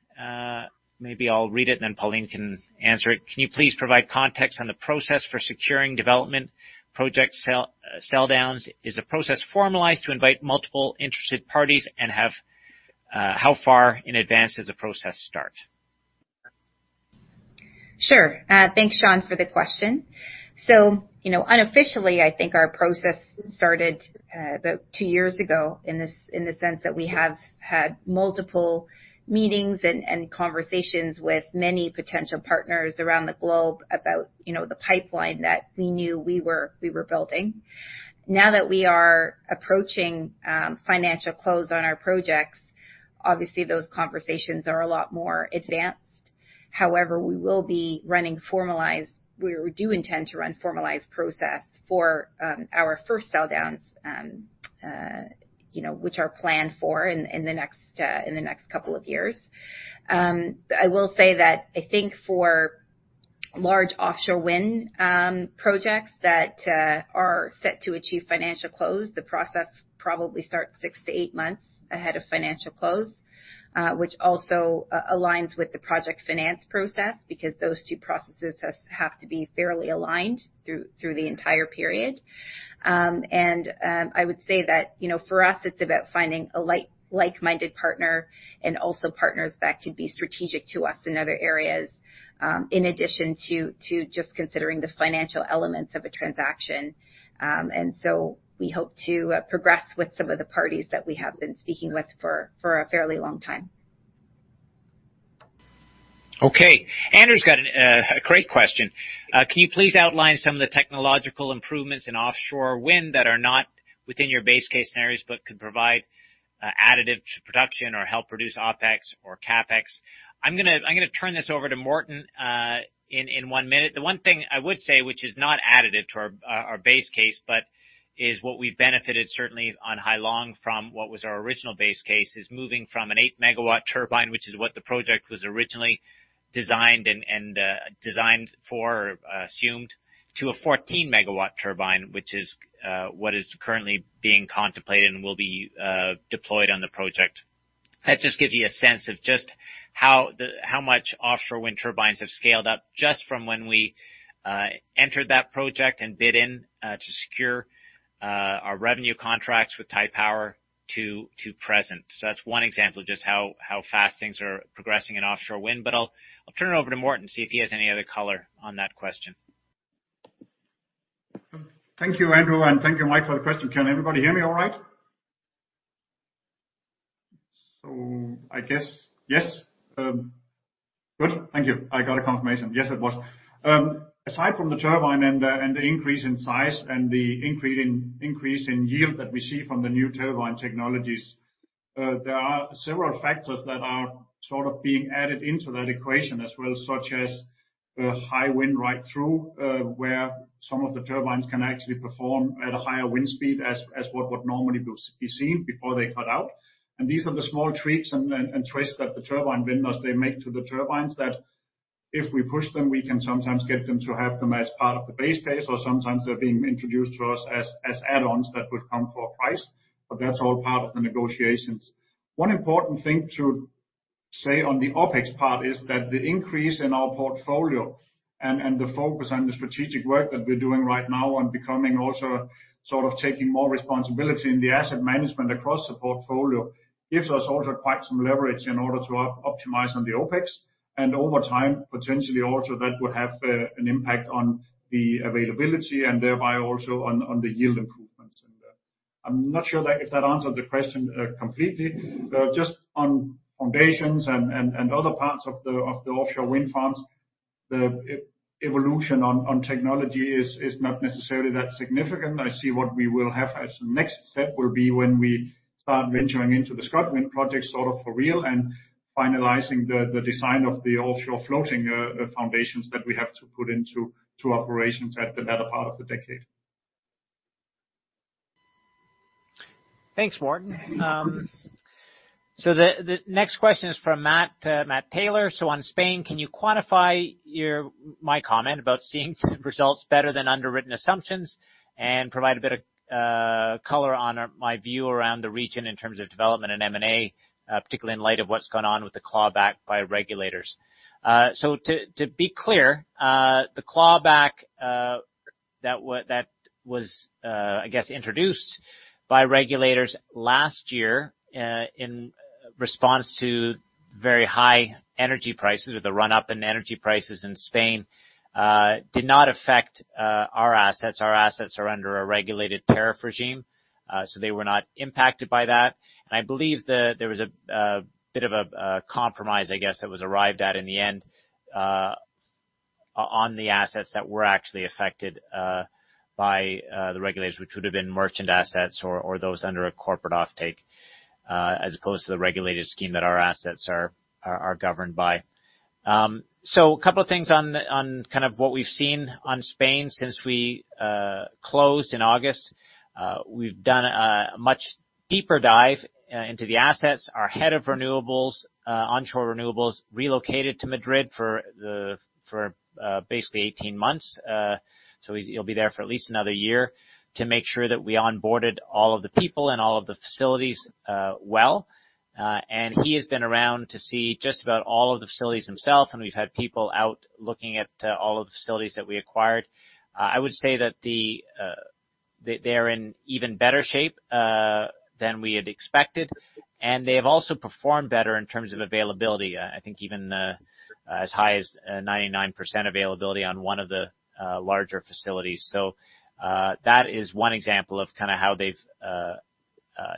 Maybe I'll read it, and then Pauline can answer it. Can you please provide context on the process for securing development project sell downs? Is the process formalized to invite multiple interested parties and have, how far in advance does the process start? Sure. Thanks, Sean, for the question. You know, unofficially, I think our process started about two years ago in the sense that we have had multiple meetings and conversations with many potential partners around the globe about, you know, the pipeline that we knew we were building. Now that we are approaching financial close on our projects, obviously those conversations are a lot more advanced. However, we do intend to run formalized process for our first sell downs, you know, which are planned for in the next couple of years. I will say that I think for large offshore wind projects that are set to achieve financial close, the process probably starts six-eight months ahead of financial close, which also aligns with the project finance process, because those two processes have to be fairly aligned through the entire period. I would say that, you know, for us it's about finding a like-minded partner and also partners that could be strategic to us in other areas, in addition to just considering the financial elements of a transaction. We hope to progress with some of the parties that we have been speaking with for a fairly long time. Okay. Andrew's got a great question. Can you please outline some of the technological improvements in offshore wind that are not within your base case scenarios, but could provide additive to production or help reduce OpEx or CapEx? I'm gonna turn this over to Morten in one minute. The one thing I would say, which is not additive to our base case, but is what we've benefited certainly on Hai Long from what was our original base case, is moving from an 8-MW turbine, which is what the project was originally designed for or assumed, to a 14-MW turbine, which is what is currently being contemplated and will be deployed on the project. That just gives you a sense of just how much offshore wind turbines have scaled up just from when we entered that project and bid in to secure our revenue contracts with Taipower to present. That's one example of just how fast things are progressing in offshore wind. I'll turn it over to Morten, see if he has any other color on that question. Thank you, Andrew, and thank you, Mike, for the question. Can everybody hear me all right? I guess yes. Good. Thank you. I got a confirmation. Yes, it was. Aside from the turbine and the increase in size and the increase in yield that we see from the new turbine technologies, there are several factors that are sort of being added into that equation as well, such as high wind cut-through, where some of the turbines can actually perform at a higher wind speed as what would normally be seen before they cut out. These are the small tweaks and twists that the turbine vendors they make to the turbines that if we push them, we can sometimes get them to have them as part of the base case, or sometimes they're being introduced to us as add-ons that would come for a price. That's all part of the negotiations. One important thing to say on the OpEx part is that the increase in our portfolio and the focus on the strategic work that we're doing right now on becoming also sort of taking more responsibility in the asset management across the portfolio, gives us also quite some leverage in order to optimize on the OpEx. Over time, potentially also that would have an impact on the availability and thereby also on the yield improvements. I'm not sure that, if that answered the question, completely. Just on foundations and other parts of the offshore wind farms, the evolution on technology is not necessarily that significant. I see what we will have as the next step will be when we start venturing into the Scotland project, sort of for real, and finalizing the design of the offshore floating foundations that we have to put into operations at the better part of the decade. Thanks, Morten. The next question is from Matt Taylor. On Spain, can you quantify my comment about seeing results better than underwritten assumptions and provide a bit of color on my view around the region in terms of development and M&A, particularly in light of what's gone on with the clawback by regulators. To be clear, the clawback that was, I guess, introduced by regulators last year in response to very high energy prices or the run-up in energy prices in Spain did not affect our assets. Our assets are under a regulated tariff regime. They were not impacted by that. I believe there was a bit of a compromise, I guess, that was arrived at in the end, on the assets that were actually affected by the regulators, which would have been merchant assets or those under a corporate offtake, as opposed to the regulated scheme that our assets are governed by. A couple of things on kind of what we've seen on Spain since we closed in August. We've done a much deeper dive into the assets. Our head of renewables, onshore renewables, relocated to Madrid for basically 18 months. He'll be there for at least another year to make sure that we onboarded all of the people and all of the facilities well. He has been around to see just about all of the facilities himself, and we've had people out looking at all of the facilities that we acquired. I would say that they're in even better shape than we had expected, and they have also performed better in terms of availability. I think even as high as 99% availability on one of the larger facilities. That is one example of kinda how they've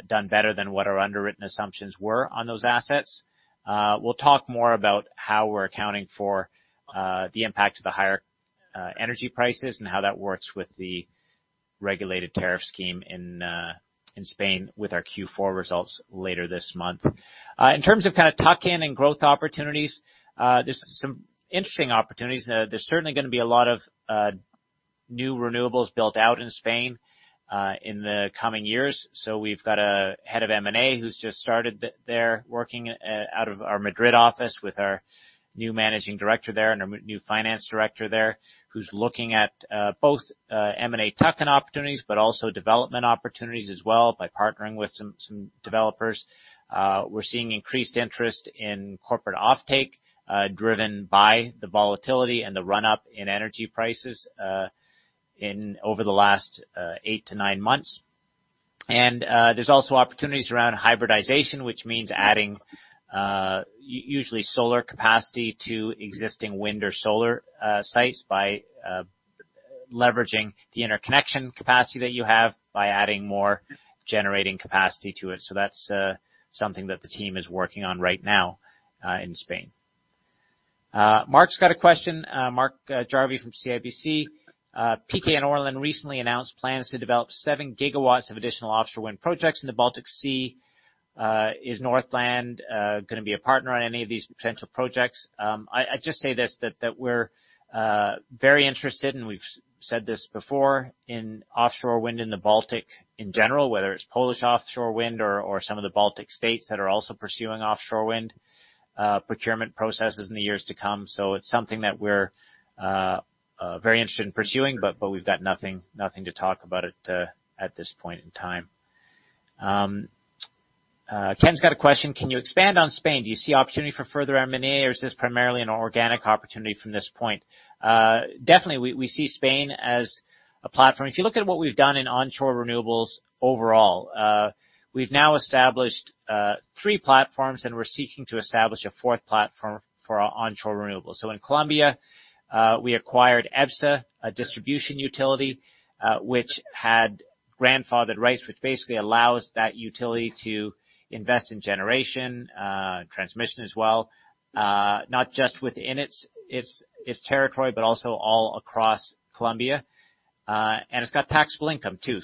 done better than what our underwritten assumptions were on those assets. We'll talk more about how we're accounting for the impact of the higher energy prices and how that works with the regulated tariff scheme in Spain with our Q4 results later this month. In terms of kinda tuck-in and growth opportunities, there's some interesting opportunities. There's certainly gonna be a lot of new renewables built out in Spain in the coming years. We've got a head of M&A who's just started there working out of our Madrid office with our new managing director there and our new finance director there, who's looking at both M&A tuck-in opportunities, but also development opportunities as well by partnering with some developers. We're seeing increased interest in corporate offtake driven by the volatility and the run-up in energy prices over the last eight-nine months. There's also opportunities around hybridization, which means adding usually solar capacity to existing wind or solar sites by leveraging the interconnection capacity that you have by adding more generating capacity to it. That's something that the team is working on right now in Spain. Mark's got a question. Mark Jarvi from CIBC. PKN ORLEN recently announced plans to develop 7 GW of additional offshore wind projects in the Baltic Sea. Is Northland gonna be a partner on any of these potential projects? I'd just say this, that we're very interested, and we've said this before, in offshore wind in the Baltic in general, whether it's Polish offshore wind or some of the Baltic states that are also pursuing offshore wind procurement processes in the years to come. It's something that we're very interested in pursuing, but we've got nothing to talk about it at this point in time. Ken's got a question. Can you expand on Spain? Do you see opportunity for further M&A, or is this primarily an organic opportunity from this point? Definitely we see Spain as a platform. If you look at what we've done in onshore renewables overall, we've now established three platforms, and we're seeking to establish a fourth platform for our onshore renewables. In Colombia, we acquired EBSA, a distribution utility, which had grandfathered rights, which basically allows that utility to invest in generation, transmission as well, not just within its territory, but also all across Colombia. It's got taxable income too.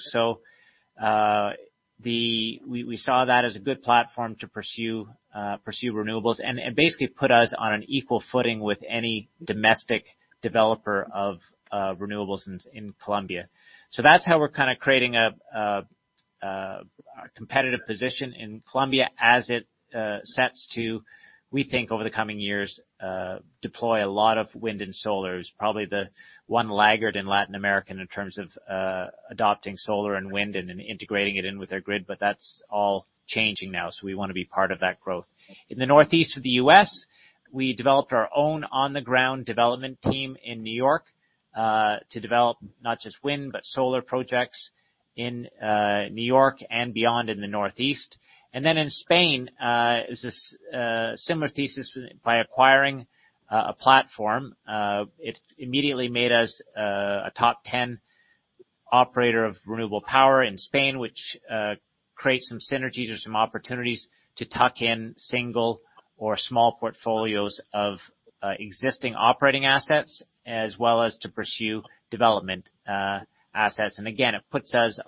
The, we saw that as a good platform to pursue renewables and basically put us on an equal footing with any domestic developer of renewables in Colombia. That's how we're kinda creating a competitive position in Colombia as it sets out to, we think, over the coming years, deploy a lot of wind and solar. Probably the one laggard in Latin America in terms of adopting solar and wind and then integrating it in with their grid, but that's all changing now, so we wanna be part of that growth. In the Northeast of the U.S., we developed our own on-the-ground development team in New York to develop not just wind, but solar projects in New York and beyond in the Northeast. In Spain is this similar thesis by acquiring a platform, it immediately made us a top ten operator of renewable power in Spain, which creates some synergies or some opportunities to tuck in single or small portfolios of existing operating assets, as well as to pursue development assets. Again, it puts us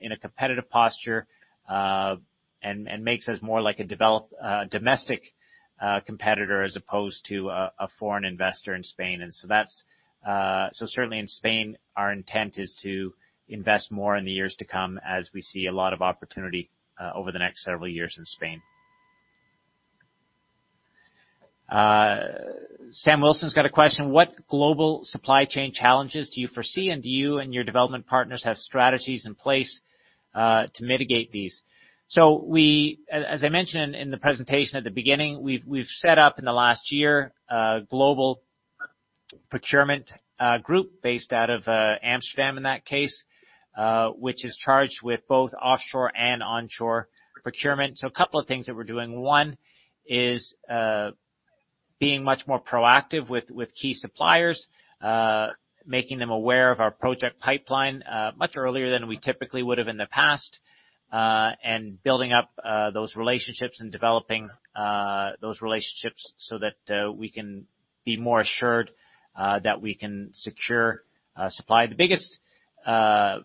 in a competitive posture and makes us more like a domestic competitor as opposed to a foreign investor in Spain. That's certainly in Spain, our intent is to invest more in the years to come, as we see a lot of opportunity over the next several years in Spain. Sam Wilson's got a question. What global supply chain challenges do you foresee, and do you and your development partners have strategies in place to mitigate these? We, as I mentioned in the presentation at the beginning, we've set up in the last year a global procurement group based out of Amsterdam in that case, which is charged with both offshore and onshore procurement. A couple of things that we're doing. One is being much more proactive with key suppliers, making them aware of our project pipeline much earlier than we typically would have in the past, and building up those relationships and developing those relationships so that we can be more assured that we can secure supply. The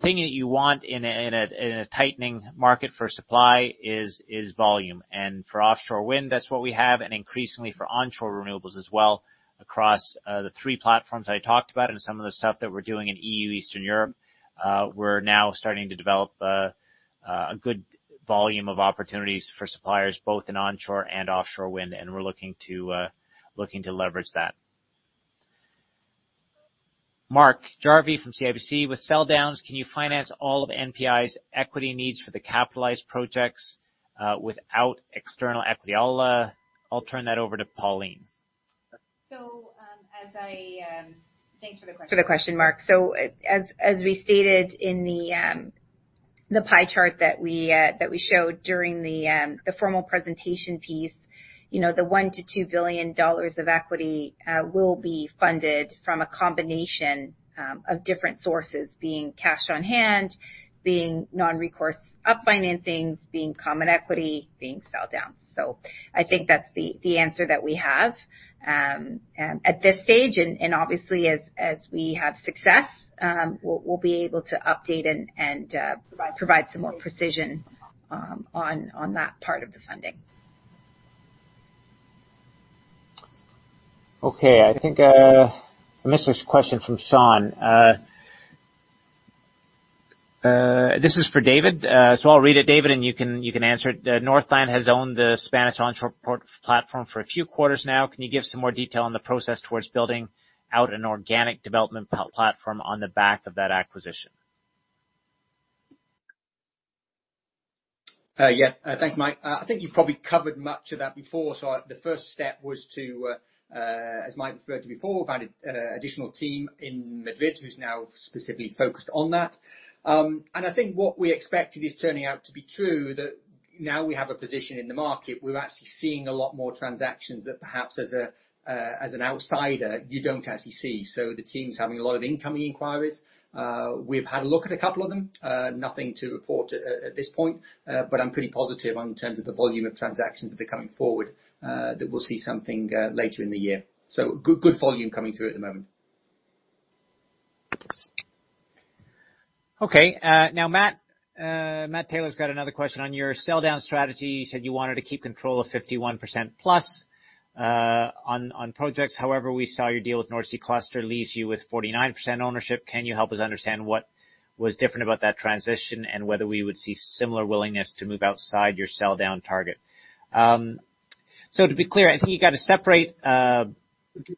thing that you want in a tightening market for supply is volume. For offshore wind, that's what we have, and increasingly for onshore renewables as well across the three platforms I talked about and some of the stuff that we're doing in EU, Eastern Europe. We're now starting to develop a good volume of opportunities for suppliers both in onshore and offshore wind, and we're looking to leverage that. Mark Jarvi from CIBC: With sell downs, can you finance all of NPI's equity needs for the capitalized projects without external equity? I'll turn that over to Pauline. Thanks for the question, Mark. As we stated in the pie chart that we showed during the formal presentation piece, you know, the 1 billion-2 billion dollars of equity will be funded from a combination of different sources, being cash on hand, being non-recourse debt financings, being common equity, being selldown. I think that's the answer that we have at this stage. Obviously, as we have success, we'll be able to update and provide some more precision on that part of the funding. Okay. I think I missed this question from Sean. This is for David, so I'll read it, David, and you can answer it. Northland has owned the Spanish onshore portfolio for a few quarters now. Can you give some more detail on the process towards building out an organic development platform on the back of that acquisition? Yeah. Thanks, Mike. I think you've probably covered much of that before. The first step was to, as Mike referred to before, find an additional team in Madrid who's now specifically focused on that. I think what we expected is turning out to be true, that now we have a position in the market, we're actually seeing a lot more transactions that perhaps as an outsider, you don't actually see. The team's having a lot of incoming inquiries. We've had a look at a couple of them. Nothing to report at this point, but I'm pretty positive in terms of the volume of transactions that are coming forward, that we'll see something later in the year. Good volume coming through at the moment. Okay. Now Matt Taylor's got another question. On your sell down strategy, you said you wanted to keep control of 51%+, on projects. However, we saw your deal with North Sea Cluster leaves you with 49% ownership. Can you help us understand what was different about that transition and whether we would see similar willingness to move outside your sell down target? To be clear, I think you got to separate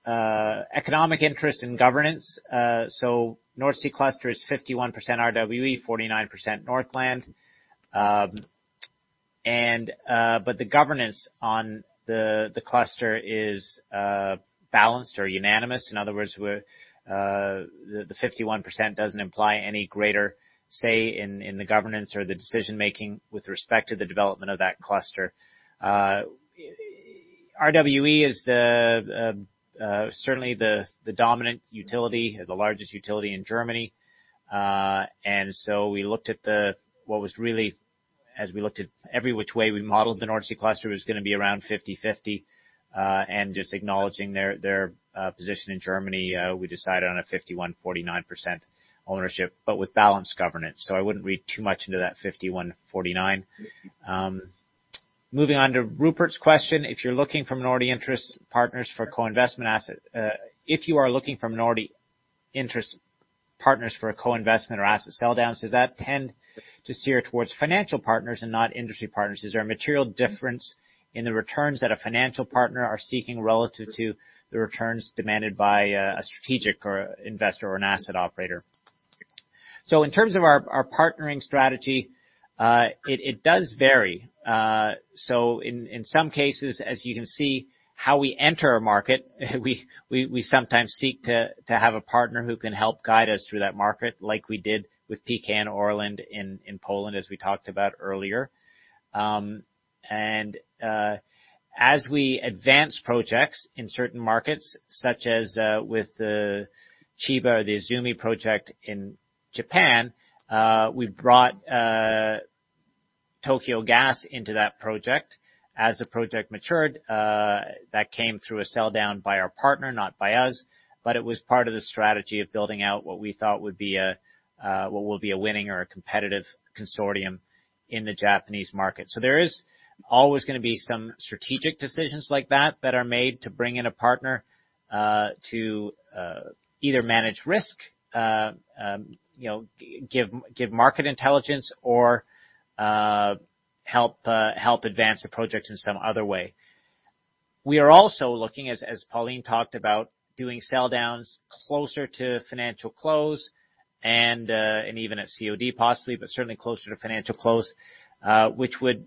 economic interest in governance. North Sea Cluster is 51% RWE, 49% Northland. But the governance on the cluster is balanced or unanimous. In other words, the 51% doesn't imply any greater say in the governance or the decision-making with respect to the development of that cluster. RWE is certainly the dominant utility or the largest utility in Germany. We looked at every which way we modeled the North Sea Cluster was gonna be around 50/50, and just acknowledging their position in Germany, we decided on a 51%-49% ownership, but with balanced governance. I wouldn't read too much into that 51%-49%. Moving onto Rupert's question, if you are looking for minority interest partners for a co-investment or asset sell downs, does that tend to steer towards financial partners and not industry partners? Is there a material difference in the returns that a financial partner are seeking relative to the returns demanded by a strategic or investor or an asset operator? In terms of our partnering strategy, it does vary. In some cases, as you can see how we enter a market, we sometimes seek to have a partner who can help guide us through that market like we did with PKN ORLEN in Poland, as we talked about earlier. As we advance projects in certain markets, such as with the Chiba or the Izumi Project in Japan, we brought Tokyo Gas into that project. As the project matured, that came through a sell down by our partner, not by us, but it was part of the strategy of building out what we thought would be a, what will be a winning or a competitive consortium in the Japanese market. There is always gonna be some strategic decisions like that are made to bring in a partner, to either manage risk, you know, give market intelligence or help advance the project in some other way. We are also looking, as Pauline talked about, doing sell downs closer to financial close and even at COD, possibly, but certainly closer to financial close, which would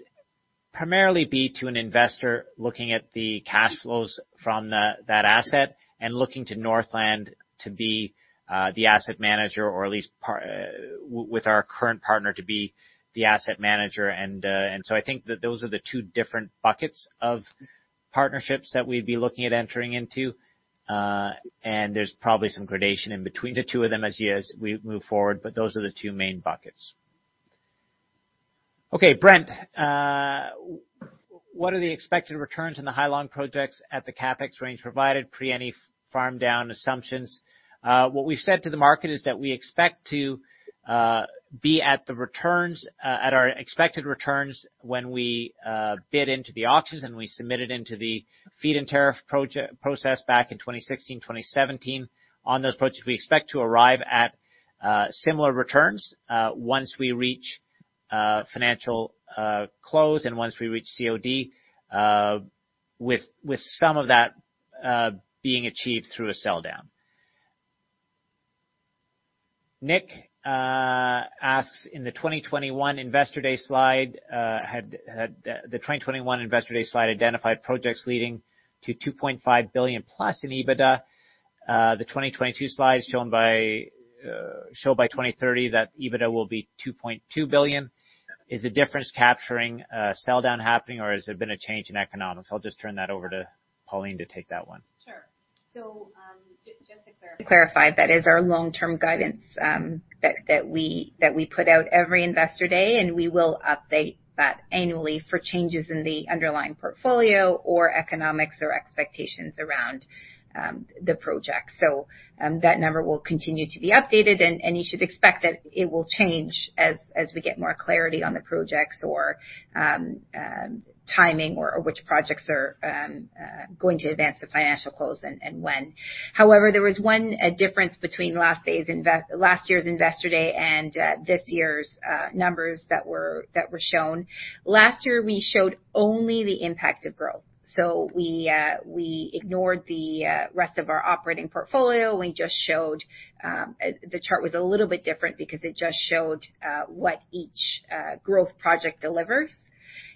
primarily be to an investor looking at that asset and looking to Northland to be the asset manager or at least with our current partner to be the asset manager. I think that those are the two different buckets of partnerships that we'd be looking at entering into. There's probably some gradation in between the two of them as we move forward, but those are the two main buckets. Okay, Brent, what are the expected returns in the Hai Long projects at the CapEx range provided pre any farm down assumptions? What we've said to the market is that we expect to be at the returns at our expected returns when we bid into the auctions and we submitted into the feed-in tariff process back in 2016, 2017. On those projects, we expect to arrive at similar returns once we reach financial close and once we reach COD, with some of that being achieved through a sell down. Nick asks in the 2021 Investor Day slide had the 2021 Investor Day slide identified projects leading to 2.5 billion+ in EBITDA. The 2022 slides show by 2030 that EBITDA will be 2.2 billion. Is the difference capturing a sell down happening or has there been a change in economics? I'll just turn that over to Pauline to take that one. Sure. Just to clarify, that is our long-term guidance, that we put out every Investor Day, and we will update that annually for changes in the underlying portfolio or economics or expectations around the project. That number will continue to be updated, and you should expect that it will change as we get more clarity on the projects or timing or which projects are going to advance the financial close and when. However, there was one difference between last year's Investor Day and this year's numbers that were shown. Last year, we showed only the impact of growth. We ignored the rest of our operating portfolio. We just showed the chart was a little bit different because it just showed what each growth project delivers.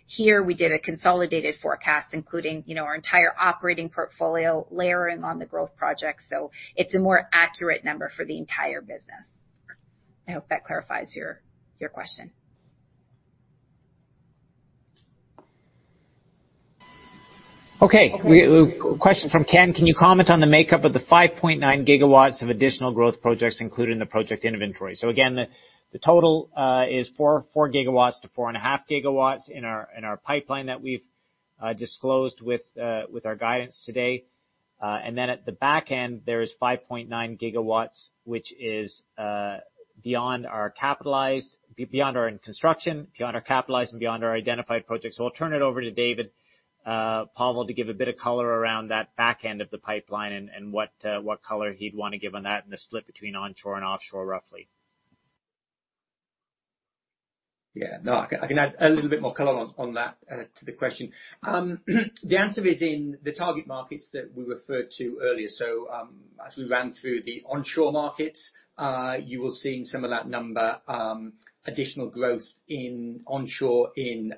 Here we did a consolidated forecast, including, you know, our entire operating portfolio layering on the growth project. It's a more accurate number for the entire business. I hope that clarifies your question. Okay. Okay. Question from Ken: Can you comment on the makeup of the 5.9 GW of additional growth projects included in the project inventory? The total is 4.4 GW-4.5 GW in our pipeline that we've disclosed with our guidance today. At the back end, there is 5.9 GW, which is beyond our capitalized, beyond our in-construction, and beyond our identified projects. I'll turn it over to David Povall to give a bit of color around that back end of the pipeline and what color he'd want to give on that and the split between onshore and offshore, roughly. Yeah, no, I can add a little bit more color on that to the question. The answer is in the target markets that we referred to earlier. As we ran through the onshore markets, you will see in some of that number additional growth in onshore in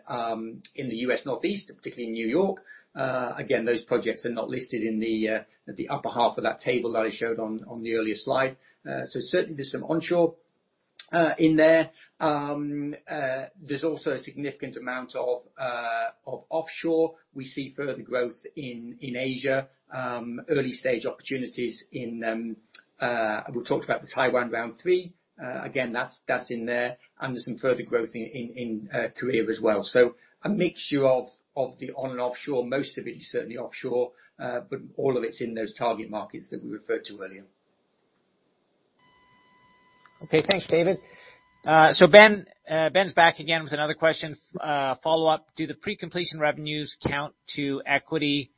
the U.S. Northeast, particularly in New York. Again, those projects are not listed in the upper half of that table that I showed on the earlier slide. Certainly, there's some onshore in there. There's also a significant amount of offshore. We see further growth in Asia. Early stage opportunities. We've talked about the Taiwan Round 3. Again, that's in there. There's some further growth in Korea as well. A mixture of the onshore and offshore. Most of it is certainly offshore, but all of it's in those target markets that we referred to earlier. Okay, thanks, David. Ben's back again with another question, follow-up. Do the pre-completion revenues count to the equity,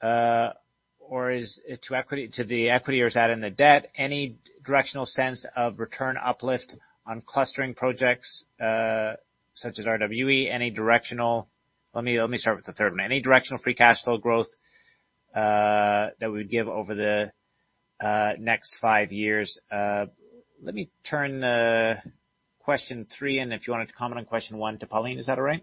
or is that in the debt? Any directional sense of return uplift on clustering projects, such as RWE? Let me start with the third one. Any directional free cash flow growth that we give over the next five years? Let me turn to question three, and if you wanted to comment on question one to Pauline, is that all right?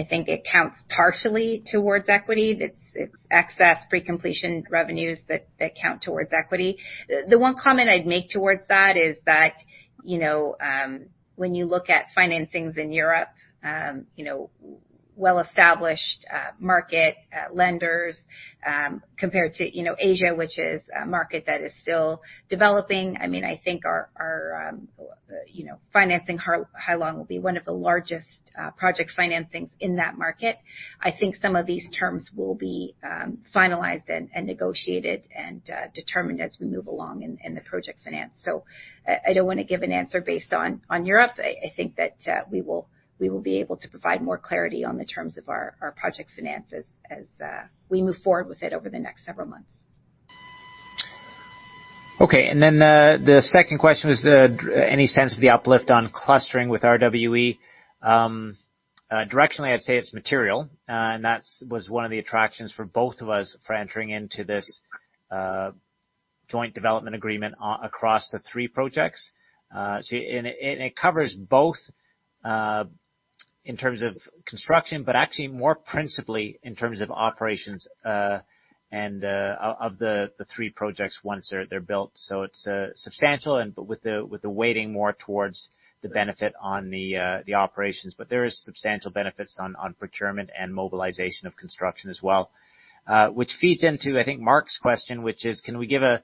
I think it counts partially towards equity. That's its excess pre-completion revenues that count towards equity. The one comment I'd make towards that is that, you know, when you look at financings in Europe, you know, well-established market lenders compared to, you know, Asia, which is a market that is still developing. I mean, I think our financing Hai Long will be one of the largest project financings in that market. I think some of these terms will be finalized and negotiated and determined as we move along in the project finance. I don't wanna give an answer based on Europe. I think that we will be able to provide more clarity on the terms of our project finance as we move forward with it over the next several months. Okay. The second question was any sense of the uplift on clustering with RWE? Directionally, I'd say it's material, and that's one of the attractions for both of us for entering into this joint development agreement across the three projects. It covers both in terms of construction, but actually more principally in terms of operations and of the three projects once they're built. It's substantial and with the weighting more towards the benefit on the operations. There is substantial benefits on procurement and mobilization of construction as well. Which feeds into, I think, Mark's question, which is can we give a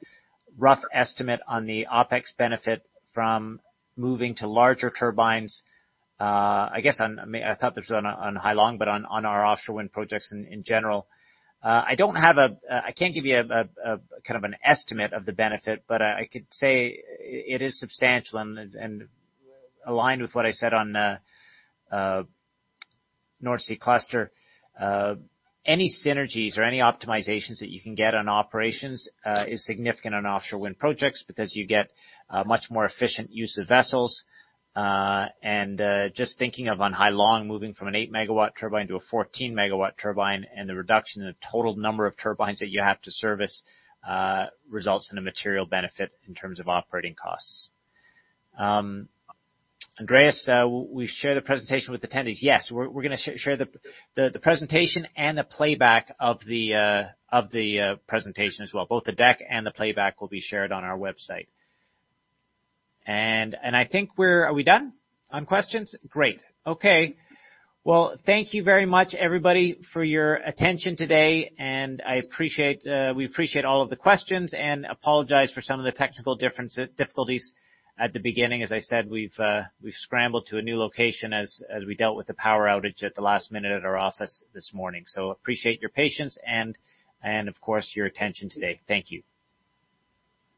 rough estimate on the OpEx benefit from moving to larger turbines? I guess on, I thought this was on Hai Long, but on our offshore wind projects in general. I don't have a kind of an estimate of the benefit, but I could say it is substantial and aligned with what I said on North Sea Cluster. Any synergies or optimizations that you can get on operations is significant on offshore wind projects because you get a much more efficient use of vessels. Just thinking of Hai Long, moving from an 8-MW turbine to a 14-MW turbine, and the reduction in the total number of turbines that you have to service results in a material benefit in terms of operating costs. Andreas, will we share the presentation with attendees? Yes. We're gonna share the presentation and the playback of the presentation as well. Both the deck and the playback will be shared on our website. I think we're done on questions? Great. Okay. Well, thank you very much, everybody, for your attention today. We appreciate all of the questions and apologize for some of the technical difficulties at the beginning. As I said, we've scrambled to a new location as we dealt with the power outage at the last minute at our office this morning. Appreciate your patience and, of course, your attention today. Thank you.